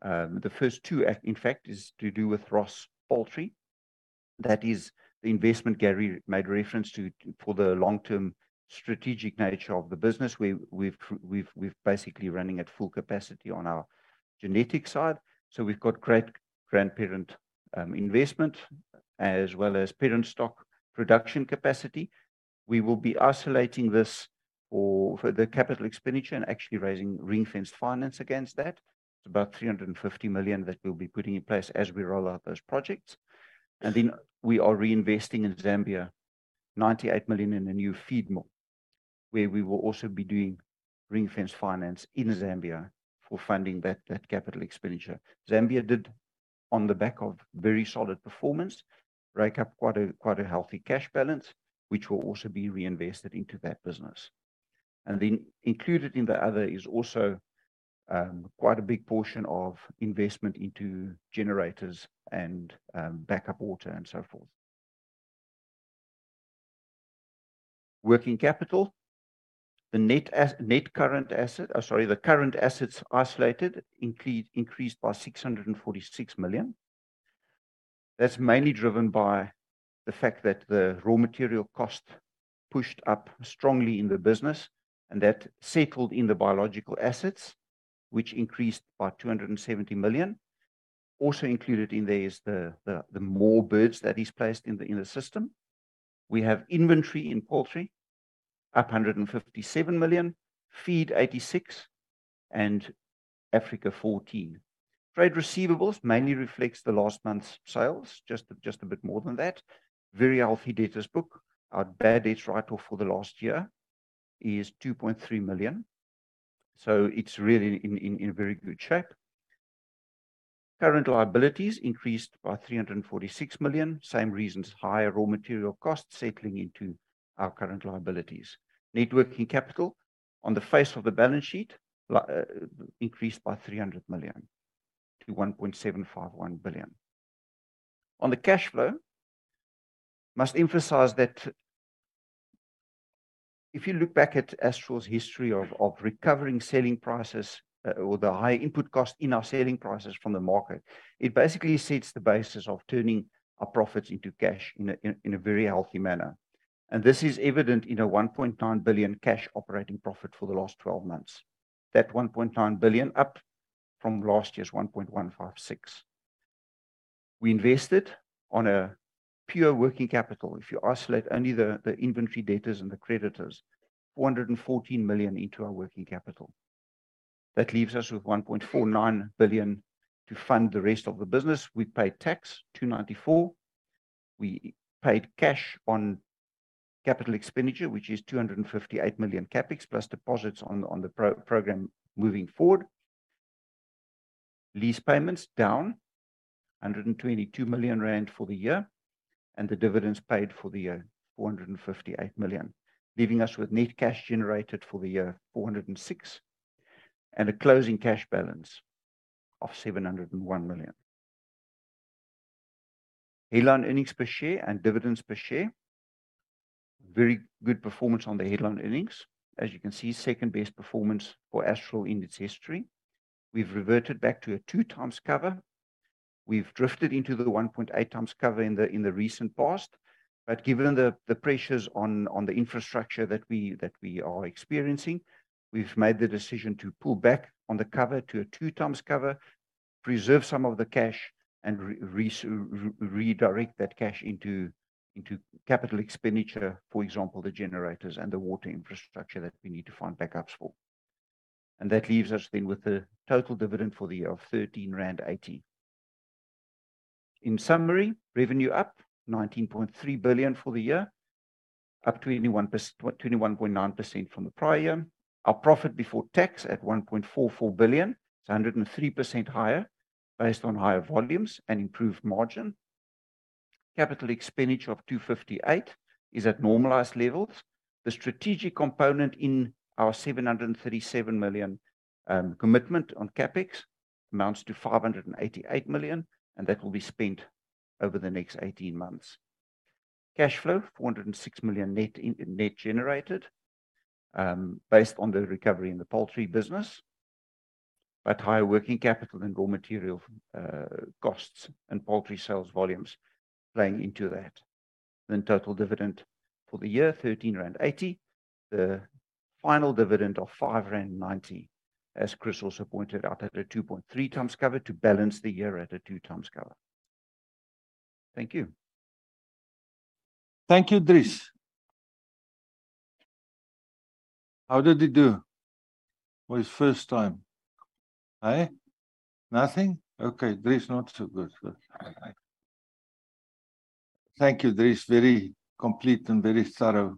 the first two, in fact is to do with Ross Poultry. That is the investment Gary made reference to for the long-term strategic nature of the business. We've basically running at full capacity on our genetic side, so we've got great grandparent investment as well as parent stock production capacity. We will be isolating this for the capital expenditure and actually raising ring-fenced finance against that. It's about 350 million that we'll be putting in place as we roll out those projects. Then we are reinvesting in Zambia 98 million in a new feed mill, where we will also be doing ring-fenced finance in Zambia for funding that capital expenditure. Zambia did on the back of very solid performance, rake up quite a healthy cash balance, which will also be reinvested into that business. Included in the other is also quite a big portion of investment into generators and backup water and so forth. Working capital. Oh, sorry, the current assets isolated increased by 646 million. That's mainly driven by the fact that the raw material cost pushed up strongly in the business and that settled in the biological assets, which increased by 270 million. Also included in there is the more birds that is placed in the system. We have inventory in poultry, up 157 million, feed 86 million and Africa 14 million. Trade receivables mainly reflects the last month's sales, just a bit more than that. Very healthy debtors book. Our bad debts write-off for the last year is 2.3 million. It's really in very good shape. Current liabilities increased by 346 million. Same reasons, higher raw material costs settling into our current liabilities. Net working capital on the face of the balance sheet increased by 300 million to 1.751 billion. On the cash flow, must emphasize that if you look back at Astral's history of recovering selling prices, or the high input cost in our selling prices from the market, it basically sets the basis of turning our profits into cash in a very healthy manner. This is evident in a 1.9 billion cash operating profit for the last 12 months. That 1.9 billion up from last year's 1.156 billion. We invested on a pure working capital. If you isolate only the inventory debtors and the creditors, 414 million into our working capital. That leaves us with 1.49 billion to fund the rest of the business. We paid tax, 294 million. We paid cash on capital expenditure, which is 258 million CapEx plus deposits on the pro-program moving forward. Lease payments down 122 million rand for the year, and the dividends paid for the year, 458 million. Leaving us with net cash generated for the year, 406 million, and a closing cash balance of 701 million. Headline earnings per share and dividends per share. Very good performance on the headline earnings. As you can see, second-best performance for Astral in its history. We've reverted back to a 2 times cover. We've drifted into the 1.8 times cover in the recent past, but given the pressures on the infrastructure that we are experiencing, we've made the decision to pull back on the cover to a 2 times cover, preserve some of the cash and redirect that cash into capital expenditure, for example, the generators and the water infrastructure that we need to find backups for. That leaves us then with the total dividend for the year of 13.80 rand. In summary, revenue up 19.3 billion for the year, up 21.9% from the prior year. Our profit before tax at 1.44 billion, it's 103% higher based on higher volumes and improved margin. Capital expenditure of 258 million is at normalized levels. The strategic component in our 737 million commitment on CapEx amounts to 588 million, and that will be spent over the next 18 months. Cash flow, 406 million net in, net generated, based on the recovery in the poultry business, higher working capital and raw material costs and poultry sales volumes playing into that. Total dividend for the year, 13.80 rand. The final dividend of 5.90 rand, as Chris also pointed out, at a 2.3 times cover to balance the year at a 2 times cover. Thank you. Thank you, Dries. How did he do for his first time? Nothing. Okay. Dries not so good with... Thank you, Dries. Very complete and very thorough.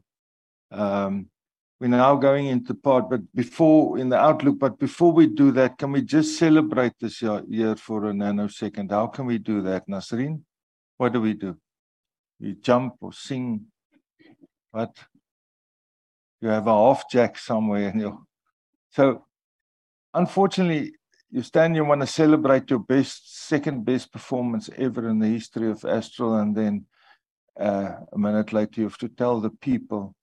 We're now going into part but before... In the outlook, before we do that, can we just celebrate this year for a nanosecond? How can we do that, Nasreen? What do we do? You jump or sing? What? You have a half jack somewhere and you... Unfortunately, you stand, you wanna celebrate your best, second-best performance ever in the history of Astral and then, a minute later you have to tell the people,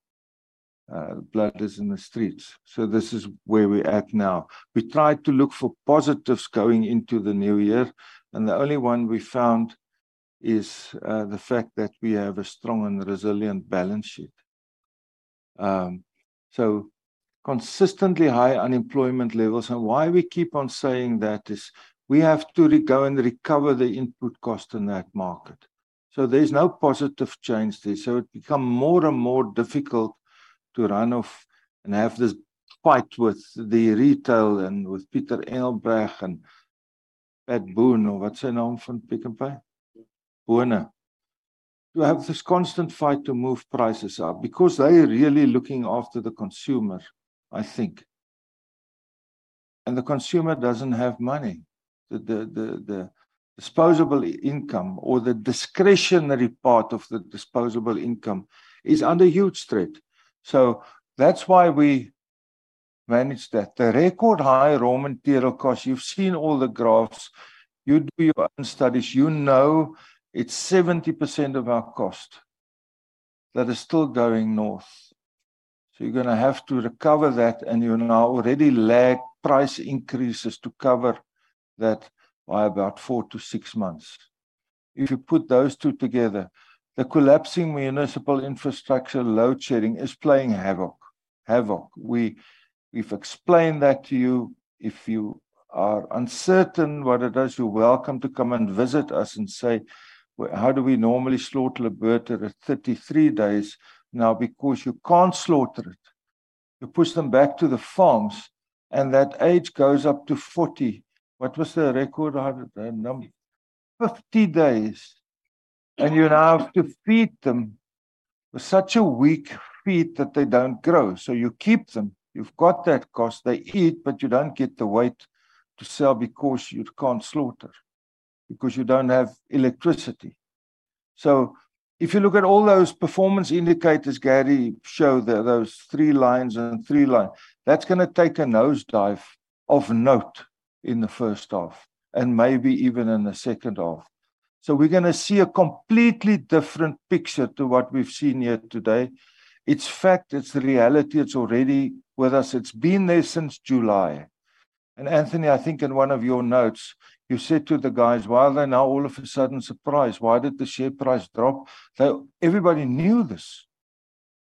blood is in the streets. This is where we at now. We tried to look for positives going into the new year, the only one we found is the fact that we have a strong and resilient balance sheet. Consistently high unemployment levels, and why we keep on saying that is we have to go and recover the input cost in that market. There's no positive change there. It become more and more difficult to run off and have this fight with the retail and with Pieter Engelbrecht and Pieter Boone or what's your name from Pick n Pay? Boone. To have this constant fight to move prices up because they're really looking after the consumer, I think. The consumer doesn't have money. The disposable income or the discretionary part of the disposable income is under huge threat. That's why we manage that. The record high raw material cost, you've seen all the graphs. You do your own studies. You know it's 70% of our cost that is still going north. You're gonna have to recover that, and you're now already lag price increases to cover that by about four to six months. If you put those two together, the collapsing municipal infrastructure load shedding is playing havoc. Havoc. We've explained that to you. If you are uncertain what it is, you're welcome to come and visit us and say, "Well, how do we normally slaughter a bird at 33 days?" Now, because you can't slaughter it, you push them back to the farms, and that age goes up to 40. What was the record I had there? Number? 50 days. You now have to feed them with such a weak feed that they don't grow. You keep them. You've got that cost. They eat, but you don't get the weight to sell because you can't slaughter, because you don't have electricity. If you look at all those performance indicators Gary show there, those three lines and three line, that's gonna take a nosedive of note in the first half, and maybe even in the second half. We're gonna see a completely different picture to what we've seen here today. It's fact, it's reality. It's already with us. It's been there since July. Anthony, I think in one of your notes you said to the guys, "Why are they now all of a sudden surprised? Why did the share price drop?" Everybody knew this.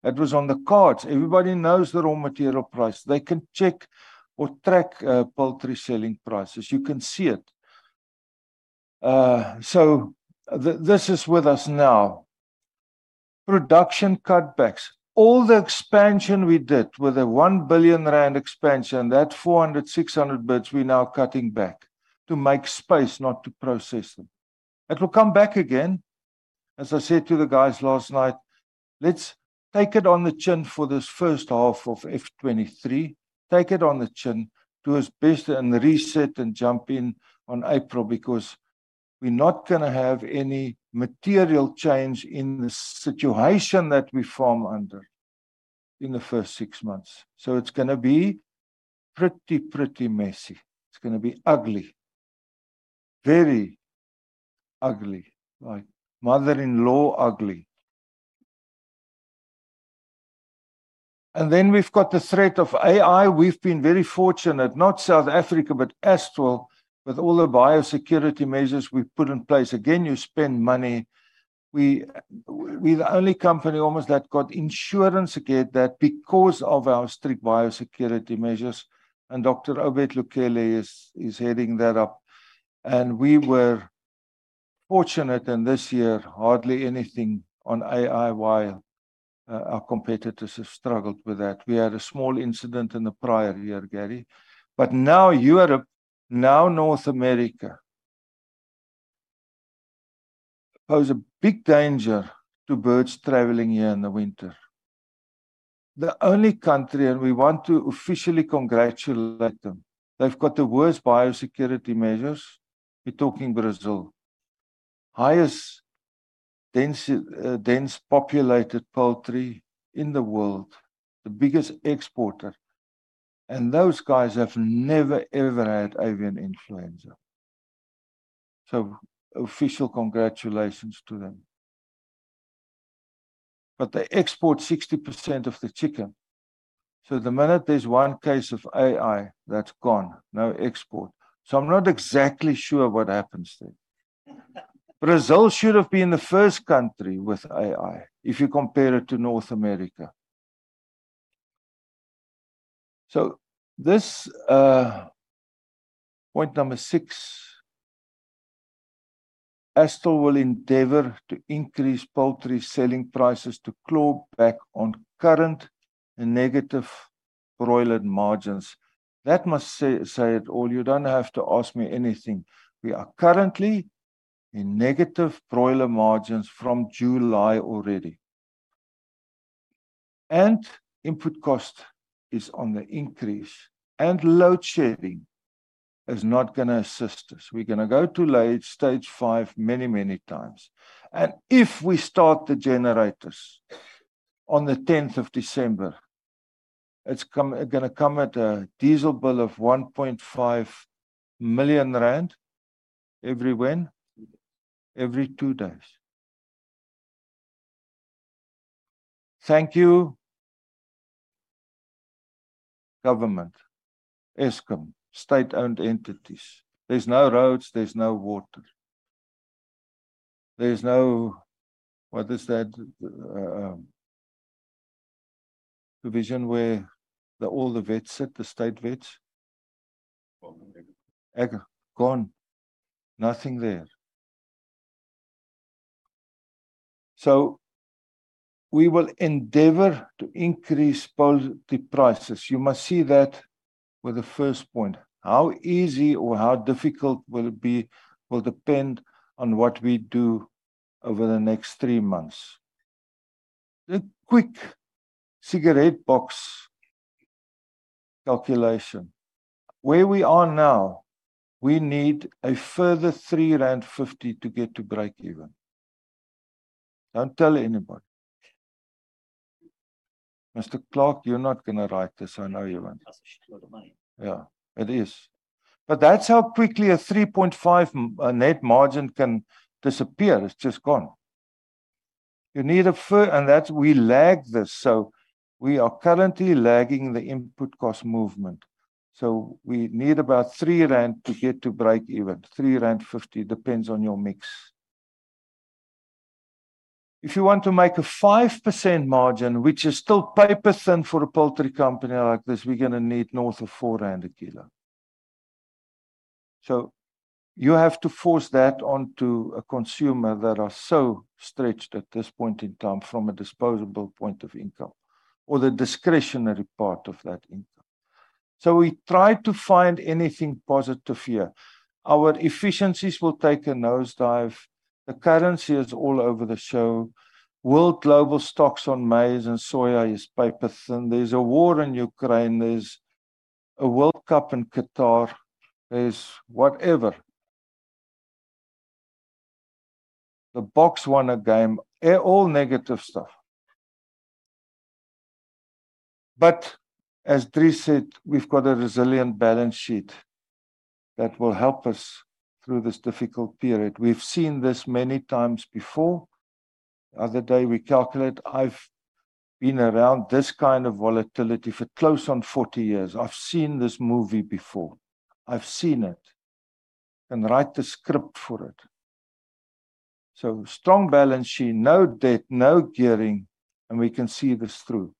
It was on the cards. Everybody knows the raw material price. They can check or track poultry selling prices. You can see it. This is with us now. Production cutbacks. All the expansion we did with the 1 billion rand expansion, that 400, 600 birds we're now cutting back to make space not to process them. It will come back again. As I said to the guys last night, let's take it on the chin for this first half of F23. Take it on the chin. Do our best and reset and jump in on April, we're not gonna have any material change in the situation that we farm under in the first 6 months. It's gonna be pretty messy. It's gonna be ugly. Very ugly. Like, mother-in-law ugly. We've got the threat of AI. We've been very fortunate, not South Africa, but Astral, with all the biosecurity measures we've put in place. Again, you spend money. We're the only company almost that got insurance again, that because of our strict biosecurity measures. Dr. Obed Lukhele is heading that up. We were fortunate, and this year hardly anything on AI, while our competitors have struggled with that. We had a small incident in the prior year, Gary. Now Europe, North America pose a big danger to birds traveling here in the winter. The only country, and we want to officially congratulate them, they've got the worst biosecurity measures. We're talking Brazil. Highest dense populated poultry in the world. The biggest exporter. Those guys have never, ever had avian influenza. Official congratulations to them. They export 60% of the chicken. The minute there's one case of AI, that's gone. No export. I'm not exactly sure what happens there. Brazil should've been the first country with AI if you compare it to North America. This, point number six, Astral will endeavor to increase poultry selling prices to claw back on current and negative broiler margins. That must say it all. You don't have to ask me anything. We are currently in negative broiler margins from July already. Input cost is on the increase, and load shedding is not going to assist us. We're going to go to load stage 5 many times. If we start the generators on the 10th of December, it's going to come at a diesel bill of 1.5 million rand every when? Two days. Every two days. Thank you government, Eskom, state-owned entities. There's no roads, there's no water. There's no What is that division where all the vets sit, the state vets? DALRRD, gone. Nothing there. We will endeavor to increase poultry prices. You must see that with the first point. How easy or how difficult will it be will depend on what we do over the next three months. A quick cigarette box calculation. Where we are now, we need a further 3.50 rand to get to break even. Don't tell anybody. Mr. Clark, you're not gonna write this. I know you won't. Yeah. It is. That's how quickly a 3.5% net margin can disappear. It's just gone. That's We lag this, we are currently lagging the input cost movement. We need about 3 rand to get to break even, 3.50 rand, depends on your mix. If you want to make a 5% margin, which is still paper thin for a poultry company like this, we're gonna need north of 4 rand a kilo. You have to force that onto a consumer that are so stretched at this point in time from a disposable point of income, or the discretionary part of that income. We try to find anything positive here. Our efficiencies will take a nosedive. The currency is all over the show. World global stocks on maize and soya is paper thin. There's a war in Ukraine. There's a World Cup in Qatar. There's whatever. The Boks won a game. All negative stuff. As Chris said, we've got a resilient balance sheet that will help us through this difficult period. We've seen this many times before. The other day I've been around this kind of volatility for close on 40 years. I've seen this movie before. I've seen it. Can write the script for it. Strong balance sheet, no debt, no gearing, and we can see this through.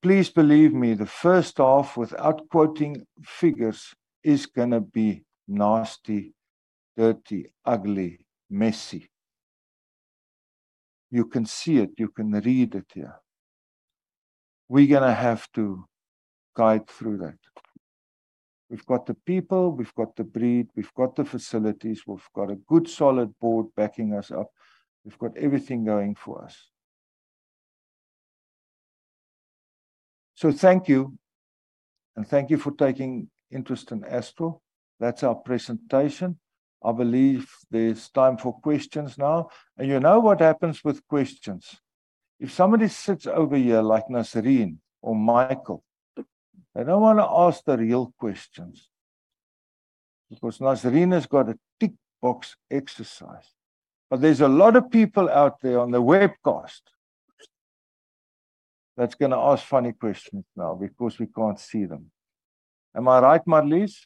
Please believe me, the first half, without quoting figures, is gonna be nasty, dirty, ugly, messy. You can see it, you can read it here. We're gonna have to guide through that. We've got the people, we've got the breed, we've got the facilities, we've got a good solid board backing us up. We've got everything going for us. Thank you, and thank you for taking interest in Astro. That's our presentation. I believe there's time for questions now. You know what happens with questions. If somebody sits over here like Nasreen or Michael, they don't wanna ask the real questions. Nasreen has got a tick box exercise. There's a lot of people out there on the webcast that's gonna ask funny questions now because we can't see them. Am I right, Marlies?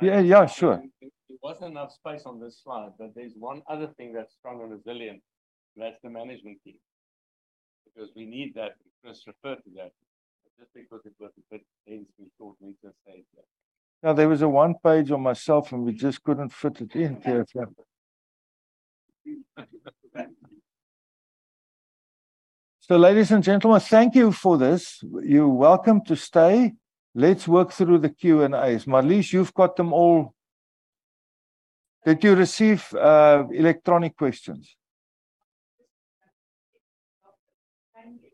Can I- Yeah. Yeah, sure. There wasn't enough space on this slide, but there's one other thing that's strong and resilient, and that's the management team. Because we need that. Chris referred to that. Just because it was a bit densely thought we just say it there. No, there was a one page on my cell phone, we just couldn't fit it in there. Ladies and gentlemen, thank you for this. You're welcome to stay. Let's work through the Q&As. Marlies, you've got them all. Did you receive electronic questions? Thank you.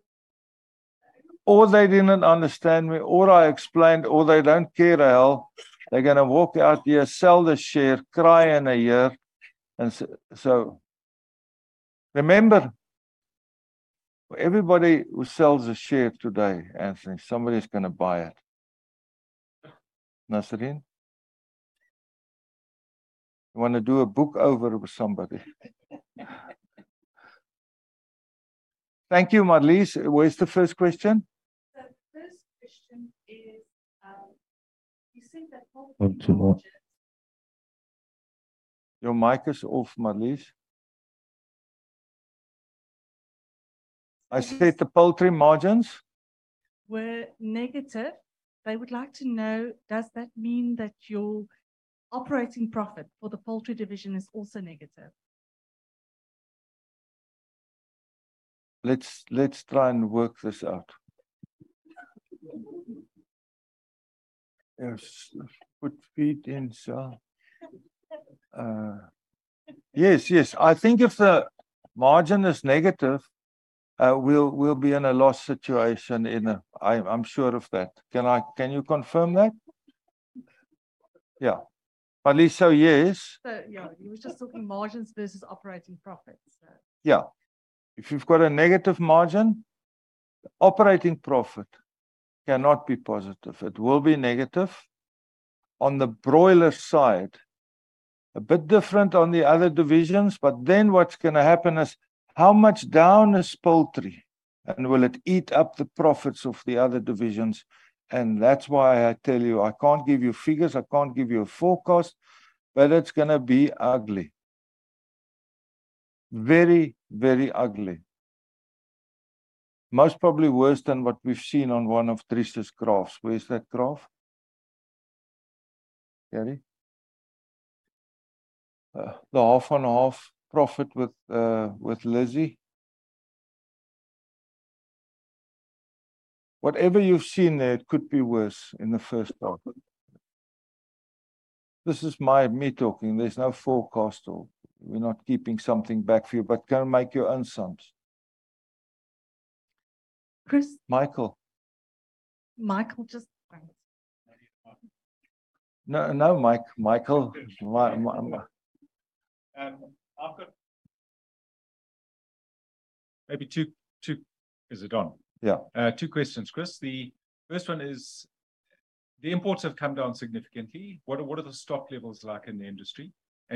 Or they didn't understand me, or I explained, or they don't care at all. They're gonna walk out here, sell their share, cry in a year. So remember, everybody who sells a share today, Anthony, somebody's gonna buy it. Nasreen? You wanna do a book over with somebody. Thank you, Marlies. Where's the first question? The first question is, you said that all the margins. One too much. Your mic is off, Marlies. I said the poultry margins- Were negative. They would like to know does that mean that your operating profit for the poultry division is also negative? Let's try and work this out. Yes. Put feed in, so. Yes. I think if the margin is negative, we'll be in a loss situation. I'm sure of that. Can you confirm that? Yeah. Marlies, so yes. Yeah, we were just talking margins versus operating profits, so. Yeah. If you've got a negative margin, operating profit cannot be positive. It will be negative on the broiler side. A bit different on the other divisions, but then what's gonna happen is how much down is poultry, and will it eat up the profits of the other divisions? That's why I tell you, I can't give you figures, I can't give you a forecast, but it's gonna be ugly. Very, very ugly. Most probably worse than what we've seen on one of Trish's graphs. Where is that graph? Gary? The half and half profit with Lizzie. Whatever you've seen there, it could be worse in the first part. This is my, me talking. There's no forecast or we're not keeping something back for you, but go and make your own sums. Chris? Michael. Michael just Maybe Martin. No, Mike. Michael. After... Maybe two... Is it on? Yeah. Two questions, Chris. The first one is, the imports have come down significantly. What are the stock levels like in the industry?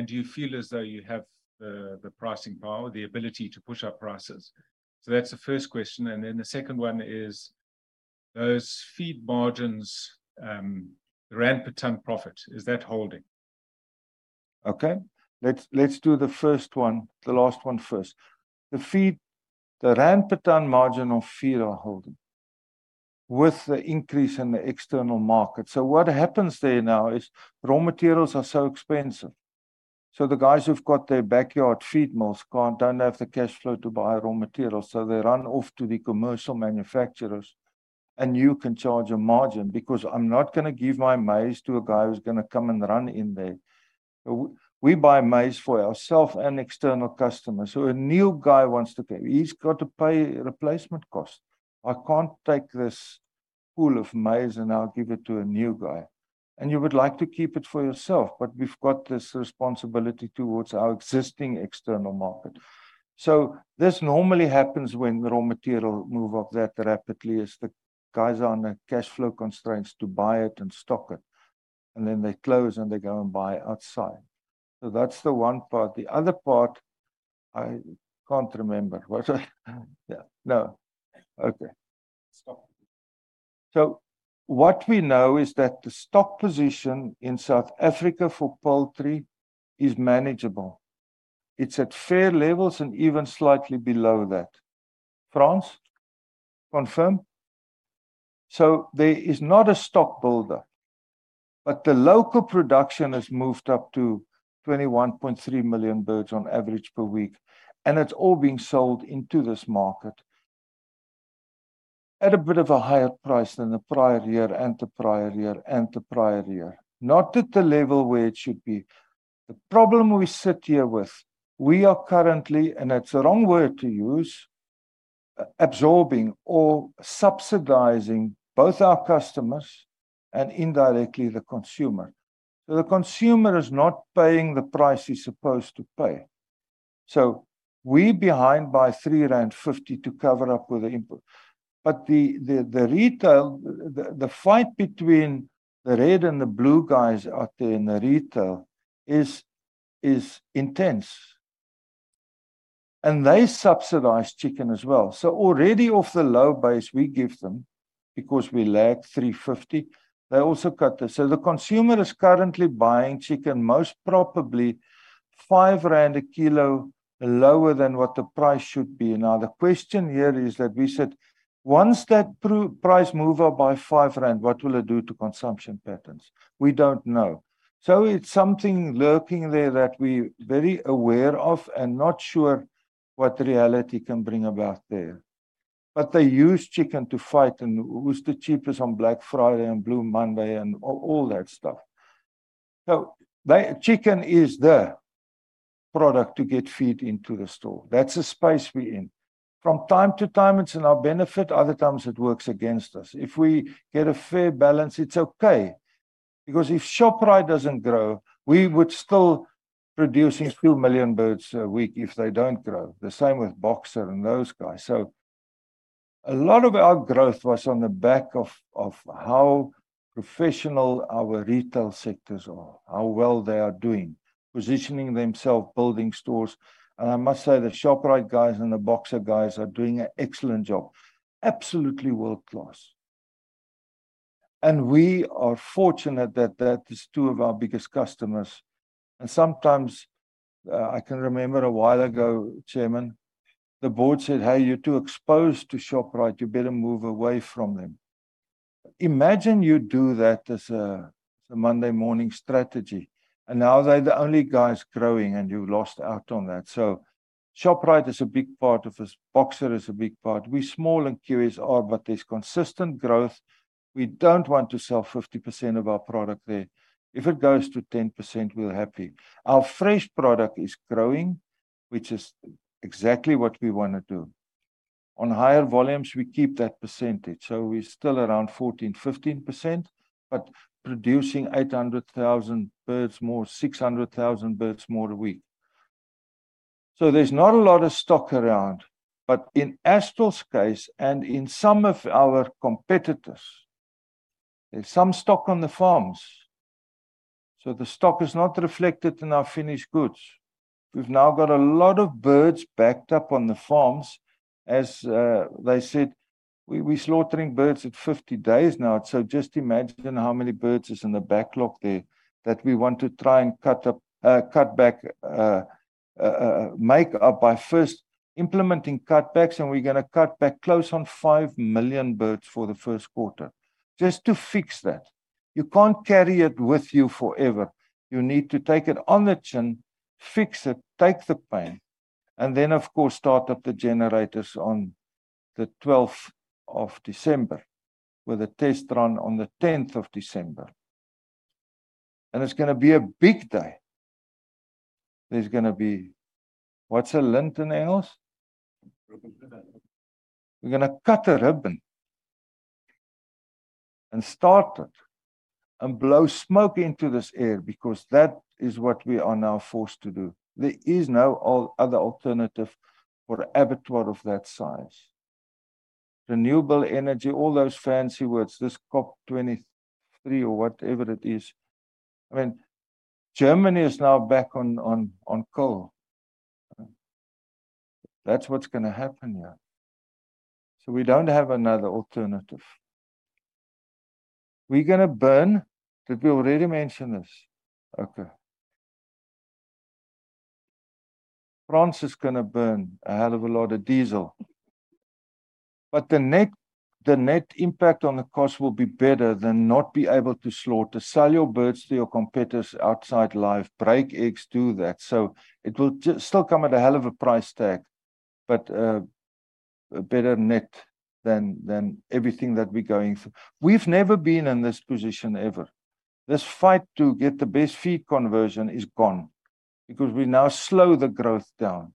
Do you feel as though you have the pricing power, the ability to push up prices? That's the first question. The second one is, those feed margins, the rand per ton profit, is that holding? Okay. Let's do the first one. The last one first. The rand per ton margin of feed are holding with the increase in the external market. What happens there now is raw materials are so expensive. The guys who've got their backyard feed mills can't don't have the cash flow to buy raw materials, so they run off to the commercial manufacturers, and you can charge a margin, because I'm not gonna give my maize to a guy who's gonna come and run in there. We buy maize for ourself and external customers. A new guy wants to come. He's got to pay replacement cost. I can't take this pool of maize and now give it to a new guy. You would like to keep it for yourself, but we've got this responsibility towards our existing external market. This normally happens when raw material move up that rapidly, is the guys are under cash flow constraints to buy it and stock it. Then they close and they go and buy outside. That's the one part. The other part I can't remember what I... Yeah, no. Okay. Stock. What we know is that the stock position in South Africa for poultry is manageable. It's at fair levels and even slightly below that. Frans, confirm? There is not a stock builder. The local production has moved up to 21.3 million birds on average per week, and it's all being sold into this market at a bit of a higher price than the prior year and the prior year and the prior year. Not at the level where it should be. The problem we sit here with, we are currently, and that's the wrong word to use, absorbing or subsidizing both our customers and indirectly the consumer. The consumer is not paying the price he's supposed to pay. We behind by 3.50 rand to cover up with the input. The retail, the fight between the red and the blue guys out there in the retail is intense. They subsidize chicken as well. Already off the low base we give them because we lag 3.50, they also cut this. The consumer is currently buying chicken most probably 5 rand a kilo lower than what the price should be. The question here is that we said once that price move up by 5 rand, what will it do to consumption patterns? We don't know. It's something lurking there that we're very aware of and not sure what reality can bring about there. They use chicken to fight and who's the cheapest on Black Friday and Blue Monday and all that stuff. Chicken is the product to get feet into the store. That's the space we're in. From time to time it's in our benefit, other times it works against us. If we get a fair balance, it's okay. If Shoprite doesn't grow, we would still producing 2 million birds a week if they don't grow. The same with Boxer and those guys. A lot of our growth was on the back of how professional our retail sectors are, how well they are doing, positioning themselves, building stores. I must say, the Shoprite guys and the Boxer guys are doing an excellent job. Absolutely world-class. We are fortunate that that is two of our biggest customers. Sometimes, I can remember a while ago, chairman, the board said, "Hey, you're too exposed to Shoprite, you better move away from them." Imagine you do that as a Monday morning strategy, and now they're the only guys growing, and you lost out on that. Shoprite is a big part of this. Boxer is a big part. We're small and QSR, but there's consistent growth. We don't want to sell 50% of our product there. If it goes to 10%, we're happy. Our fresh product is growing, which is exactly what we wanna do. On higher volumes, we keep that percentage. We're still around 14%, 15%, but producing 800,000 birds more, 600,000 birds more a week. There's not a lot of stock around. In Astral's case, and in some of our competitors, there's some stock on the farms. The stock is not reflected in our finished goods. We've now got a lot of birds backed up on the farms. As they said we slaughtering birds at 50 days now, just imagine how many birds is in the backlog there that we want to try and cut back, make up by first implementing cutbacks. We're gonna cut back close on 5 million birds for the first quarter just to fix that. You can't carry it with you forever. You need to take it on the chin, fix it, take the pain, and then of course start up the generators on the 12th of December with a test run on the 10th of December. It's gonna be a big day. There's gonna be. What's a lint in English? Ribbon cutter. We're gonna cut a ribbon and start it and blow smoke into this air because that is what we are now forced to do. There is no other alternative for abattoir of that size. Renewable energy, all those fancy words, this COP 23 or whatever it is. I mean, Germany is now back on coal. That's what's gonna happen here. We don't have another alternative. We're gonna burn. Did we already mention this? Okay. Frans is gonna burn a hell of a lot of diesel. The net impact on the cost will be better than not be able to slaughter. Sell your birds to your competitors outside live. Break eggs, do that. It will still come at a hell of a price tag, but a better net than everything that we're going through. We've never been in this position ever. This fight to get the best feed conversion is gone because we now slow the growth down.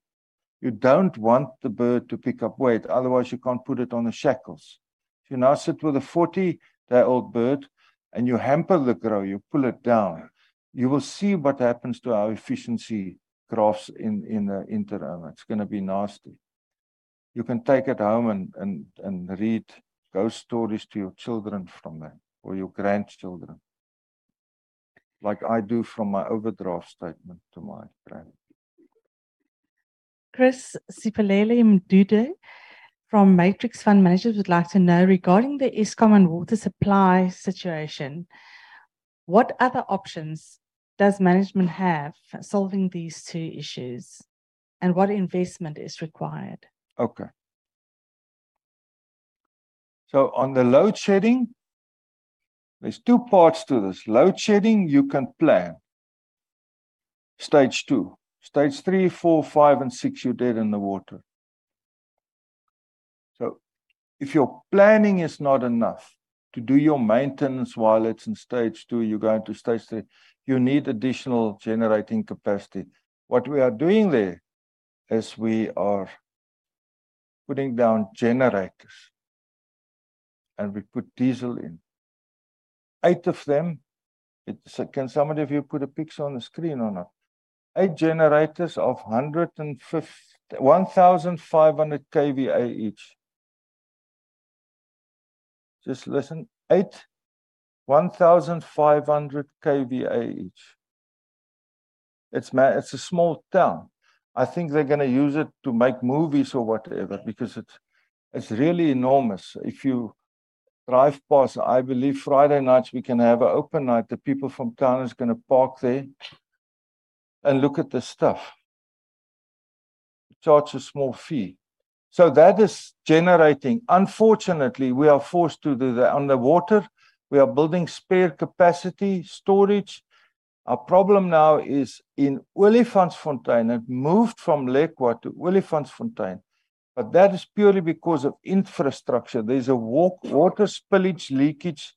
You don't want the bird to pick up weight, otherwise you can't put it on the shackles. If you now sit with a 40-day old bird and you hamper the growth, you pull it down, you will see what happens to our efficiency graphs in the interim. It's gonna be nasty. You can take it home and read those stories to your children from there or your grandchildren, like I do from my overdraft statement to my grandkids. Chris Siphelele Mdudu from Matrix Fund Managers would like to know regarding the Eskom and water supply situation. What other options does management have for solving these two issues, and what investment is required? Okay. On the load shedding, there's two parts to this. Load shedding you can plan. Stage two. Stage three, four, five, and six, you're dead in the water. If your planning is not enough to do your maintenance while it's in stage two, you're going to stage three, you need additional generating capacity. What we are doing there is we are putting down generators, and we put diesel in eight of them. Can somebody of you put a picture on the screen or not? eight generators of 1,500 kVA each. Just listen, 8 1,500 kVA each. It's a small town. I think they're gonna use it to make movies or whatever because it's really enormous. If you drive past, I believe Friday nights we can have an open night. The people from town is gonna park there and look at the stuff. Charge a small fee. That is generating. Unfortunately, we are forced to do that. On the water, we are building spare capacity storage. Our problem now is in Olifantsfontein. It moved from Lekwa to Olifantsfontein, but that is purely because of infrastructure. There's a water spillage leakage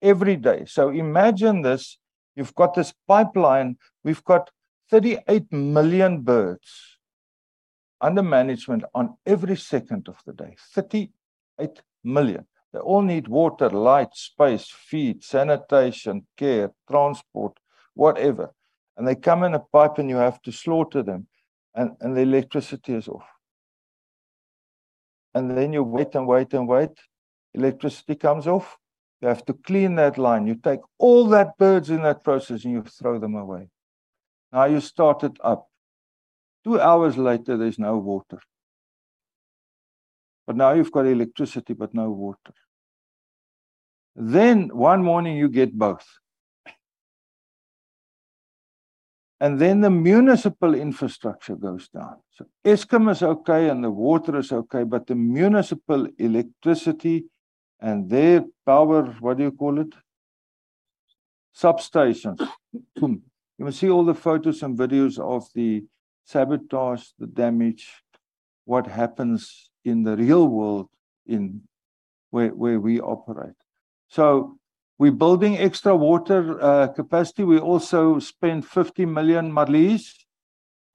every day. Imagine this, you've got this pipeline. We've got 38 million birds under management on every second of the day. 38 million. They all need water, light, space, feed, sanitation, care, transport, whatever. They come in a pipe and you have to slaughter them and the electricity is off. You wait, and wait, and wait. Electricity comes off. You have to clean that line. You take all that birds in that process, and you throw them away. Now you start it up. two hours later, there's no water. Now you've got electricity, but no water. One morning you get both. The municipal infrastructure goes down. Eskom is okay, and the water is okay, but the municipal electricity and their power... What do you call it? Substations. You must see all the photos and videos of the sabotage, the damage, what happens in the real world in where we operate. We're building extra water capacity. We also spend 50 million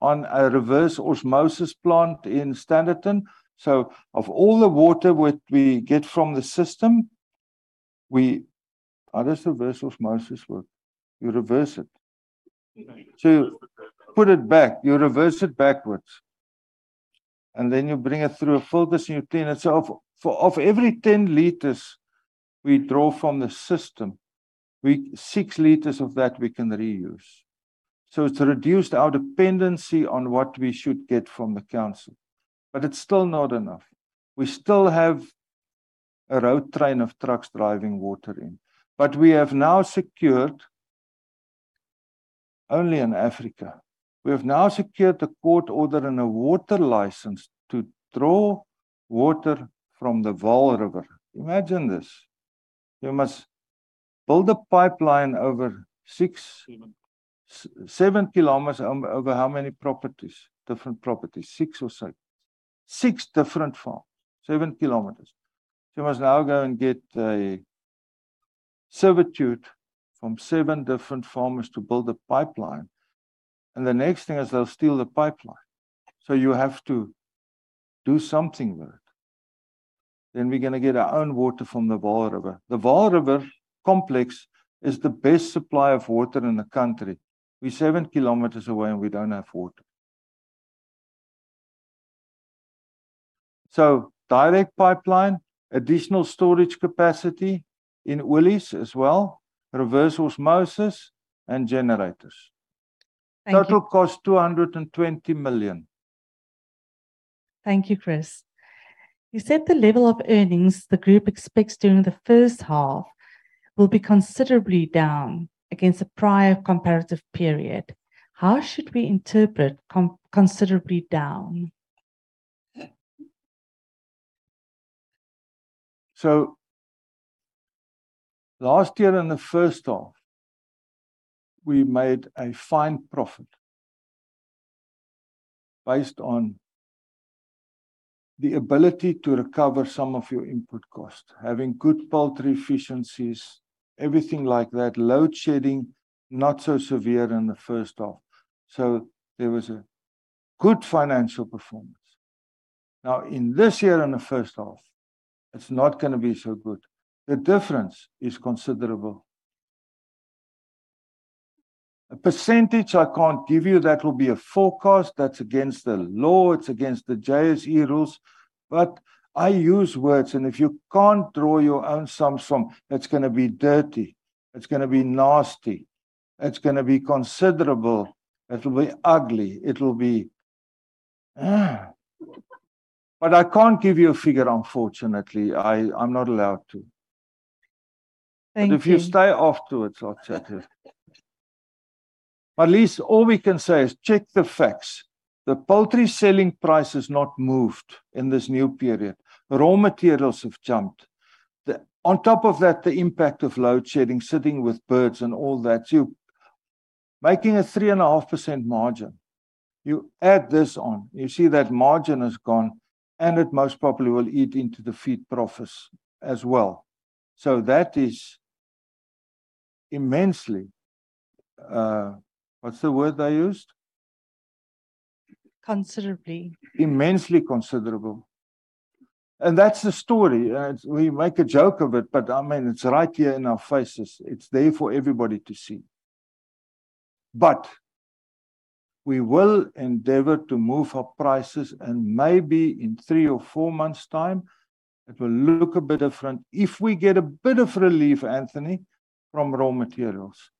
on a reverse osmosis plant in Standerton. Of all the water what we get from the system, how does reverse osmosis work? You reverse it. You put it back. You reverse it backwards, and then you bring it through a filters and you clean it. Of every 10 L we draw from the system, 6 L of that we can reuse. It's reduced our dependency on what we should get from the council. It's still not enough. We still have a road train of trucks driving water in. We have now secured, only in Africa, we have now secured a court order and a water license to draw water from the Vaal River. Imagine this. You must build a pipeline over six- Seven. 7 km, over how many properties, different properties? six or 7. 6 different farms, 7 km. You must now go and get a servitude from seven different farmers to build a pipeline, and the next thing is they'll steal the pipeline. You have to do something with it. We're gonna get our own water from the Vaal River. The Vaal River complex is the best supply of water in the country. We're 7 km away, and we don't have water. Direct pipeline, additional storage capacity in Olifantsfontein as well, reverse osmosis and generators. Thank you. Total cost 220 million. Thank you, Chris. You said the level of earnings the group expects during the first half will be considerably down against the prior comparative period. How should we interpret considerably down? Last year in the first half, we made a fine profit based on the ability to recover some of your input costs, having good poultry efficiencies, everything like that. Load shedding, not so severe in the first half. There was a good financial performance. Now, in this year in the first half, it's not gonna be so good. The difference is considerable. A percentage I can't give you. That will be a forecast. That's against the law. It's against the JSE rules. I use words, and if you can't draw your own sums from, it's gonna be dirty, it's gonna be nasty, it's gonna be considerable, it'll be ugly, it'll be, "Ugh!" I can't give you a figure unfortunately. I'm not allowed to. Thank you. If you stay afterwards, I'll chat to you. Least all we can say is check the facts. The poultry selling price has not moved in this new period. Raw materials have jumped. On top of that, the impact of load shedding, sitting with birds and all that. You're making a 3.5% margin. You add this on, you see that margin is gone, and it most probably will eat into the feed profits as well. That is immensely... what's the word I used? Considerably. Immensely considerable. That's the story. We make a joke of it, but I mean, it's right here in our faces. It's there for everybody to see. We will endeavor to move our prices and maybe in three or four months' time, it will look a bit different if we get a bit of relief, Anthony, from raw materials.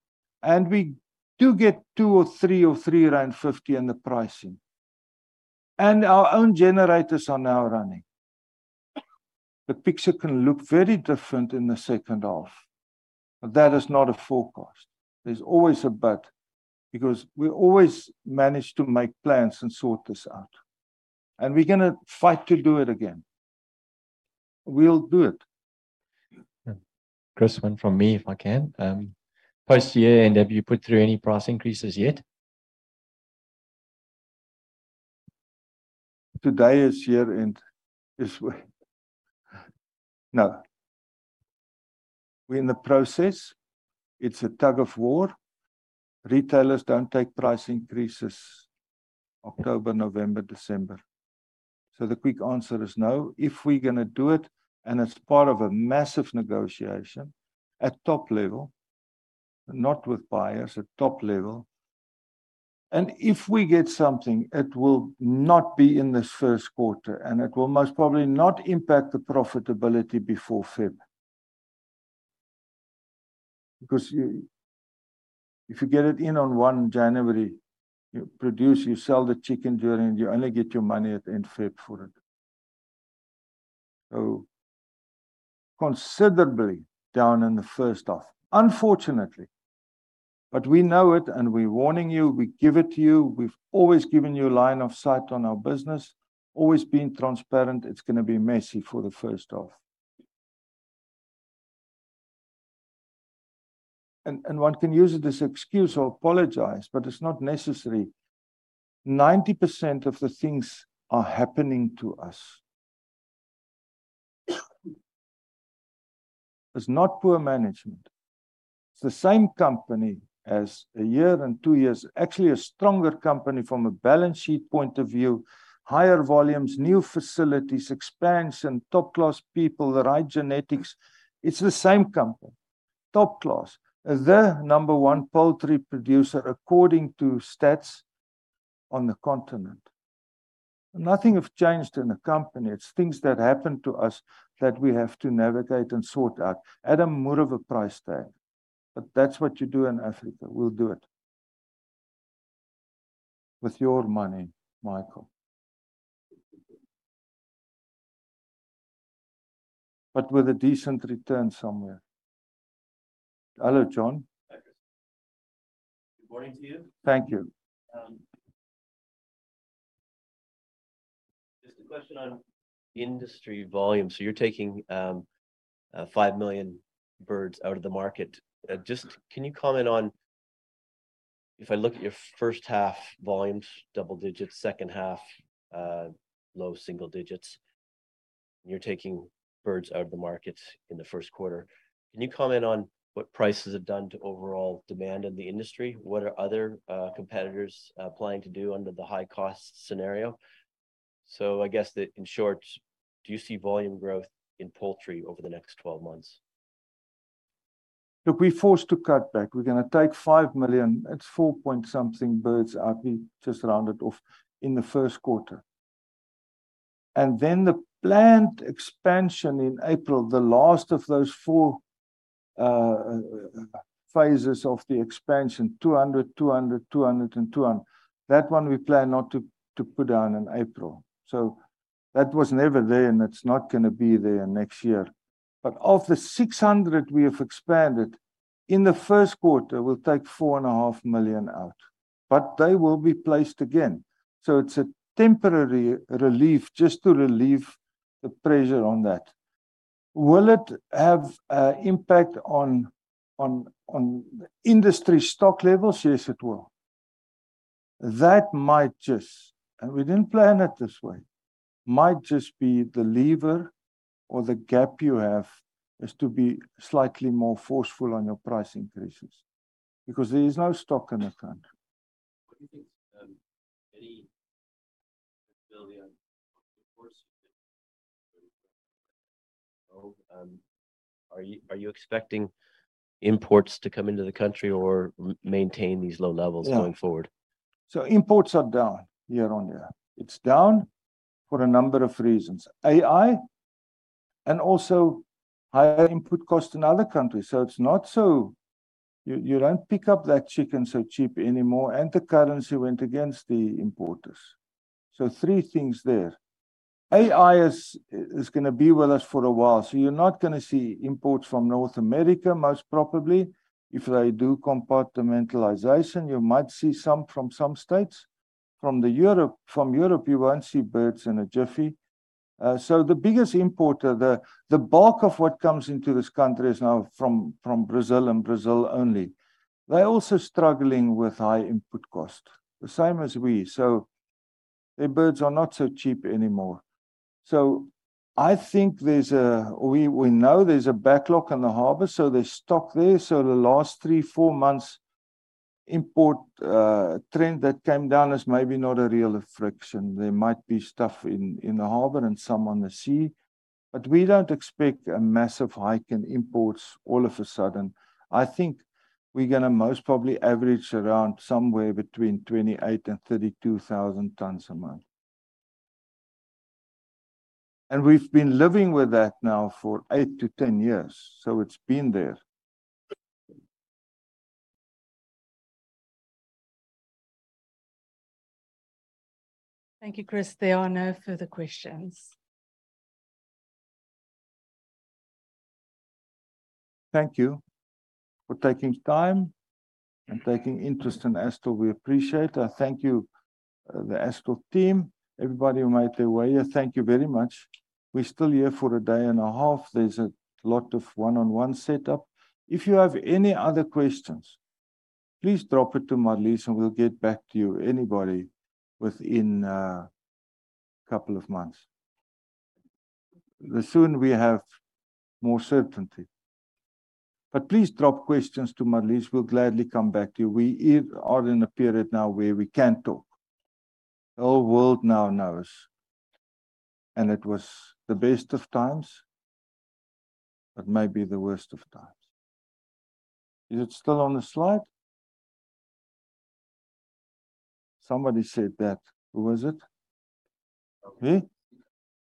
We do get two or three or 3.50 in the pricing. Our own generators are now running. The picture can look very different in the second half. That is not a forecast. There's always a but because we always manage to make plans and sort this out, and we're gonna fight to do it again. We'll do it. Chris, one from me if I can. Past year end, have you put through any price increases yet? Today is year end. This way. No. We're in the process. It's a tug-of-war. Retailers don't take price increases October, November, December. The quick answer is no. If we're gonna do it, and it's part of a massive negotiation at top level, not with buyers, at top level. If we get something, it will not be in this first quarter, and it will most probably not impact the profitability before February. Because you, if you get it in on January 1st, you produce, you sell the chicken during, you only get your money at end February for it. Considerably down in the first half, unfortunately. We know it, and we're warning you. We give it to you. We've always given you a line of sight on our business, always been transparent. It's gonna be messy for the first half. One can use it as excuse or apologize, but it's not necessary. 90% of the things are happening to us. It's not poor management. It's the same company as a year and two years. Actually a stronger company from a balance sheet point of view. Higher volumes, new facilities, expansion, top-class people, the right genetics. It's the same company. Top class. The number one poultry producer according to stats on the continent. Nothing have changed in the company. It's things that happen to us that we have to navigate and sort out at a more of a price tag. That's what you do in Africa. We'll do it. With your money, Michael. With a decent return somewhere. Hello, John. Hi, Chris. Good morning to you. Thank you. Just a question on industry volume. You're taking 5 million birds out of the market. Just can you comment on if I look at your 1st half volumes, double digits, 2nd half, low single digits, and you're taking birds out of the market in the 1st quarter. Can you comment on what prices have done to overall demand in the industry? What are other competitors planning to do under the high cost scenario? I guess that in short, do you see volume growth in poultry over the next 12 months? Look, we're forced to cut back. We're gonna take 5 million. It's four-point-something birds out, we just round it off, in the first quarter. The planned expansion in April, the last of those four phases of the expansion, 200, 200, and 200. That one we plan not to put down in April. That was never there, and it's not gonna be there next year. Of the 600 we have expanded, in the first quarter, we'll take four and a half million out, but they will be placed again. It's a temporary relief just to relieve the pressure on that. Will it have a impact on industry stock levels? Yes, it will. That might just, and we didn't plan it this way, might just be the lever or the gap you have is to be slightly more forceful on your price increases because there is no stock in the country. What do you think, any ability on, are you expecting imports to come into the country or maintain these low levels? No. going forward? Imports are down year on year. It's down for a number of reasons. AI and also higher input cost in other countries. It's not so. You don't pick up that chicken so cheap anymore, and the currency went against the importers. Three things there. AI is gonna be with us for a while, you're not gonna see imports from North America most probably. If they do compartmentalization, you might see some from some states. From Europe, you won't see birds in a jiffy. The biggest importer, the bulk of what comes into this country is now from Brazil and Brazil only. They're also struggling with high input cost, the same as we. Their birds are not so cheap anymore. I think there's a... We know there's a backlog in the harbor, there's stock there. The last three, four months import trend that came down is maybe not a real reflection. There might be stuff in the harbor and some on the sea. We don't expect a massive hike in imports all of a sudden. I think we're gonna most probably average around somewhere between 28,000 and 32,000 tons a month. We've been living with that now for eight to 10 years, so it's been there. Thank you, Chris. There are no further questions. Thank you for taking time and taking interest in Astral. We appreciate. I thank you, the Astral team, everybody who made their way here. Thank you very much. We're still here for a day and a half. There's a lot of one-on-one set up. If you have any other questions, please drop it to Marlies and we'll get back to you, anybody, within, couple of months. The sooner we have more certainty. Please drop questions to Marlies. We'll gladly come back to you. We are in a period now where we can talk. The whole world now knows, and it was the best of times, but maybe the worst of times. Is it still on the slide? Somebody said that. Who was it?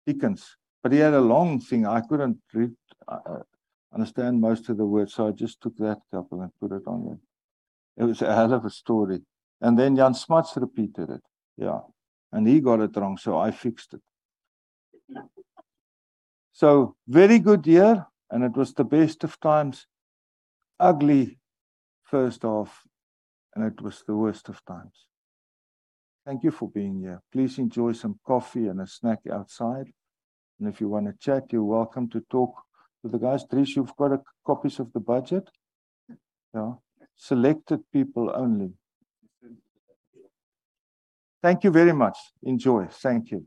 Dickens. He had a long thing. I couldn't read, understand most of the words, so I just took that couple and put it on there. It was a hell of a story. Then Dan Ferreira repeated it. Yeah. He got it wrong, so I fixed it. Very good year, and it was the best of times. Ugly first half, and it was the worst of times. Thank you for being here. Please enjoy some coffee and a snack outside. If you wanna chat, you're welcome to talk with the guys. Trish, you've got copies of the budget? Yeah. Yeah. Selected people only. Thank you very much. Enjoy. Thank you.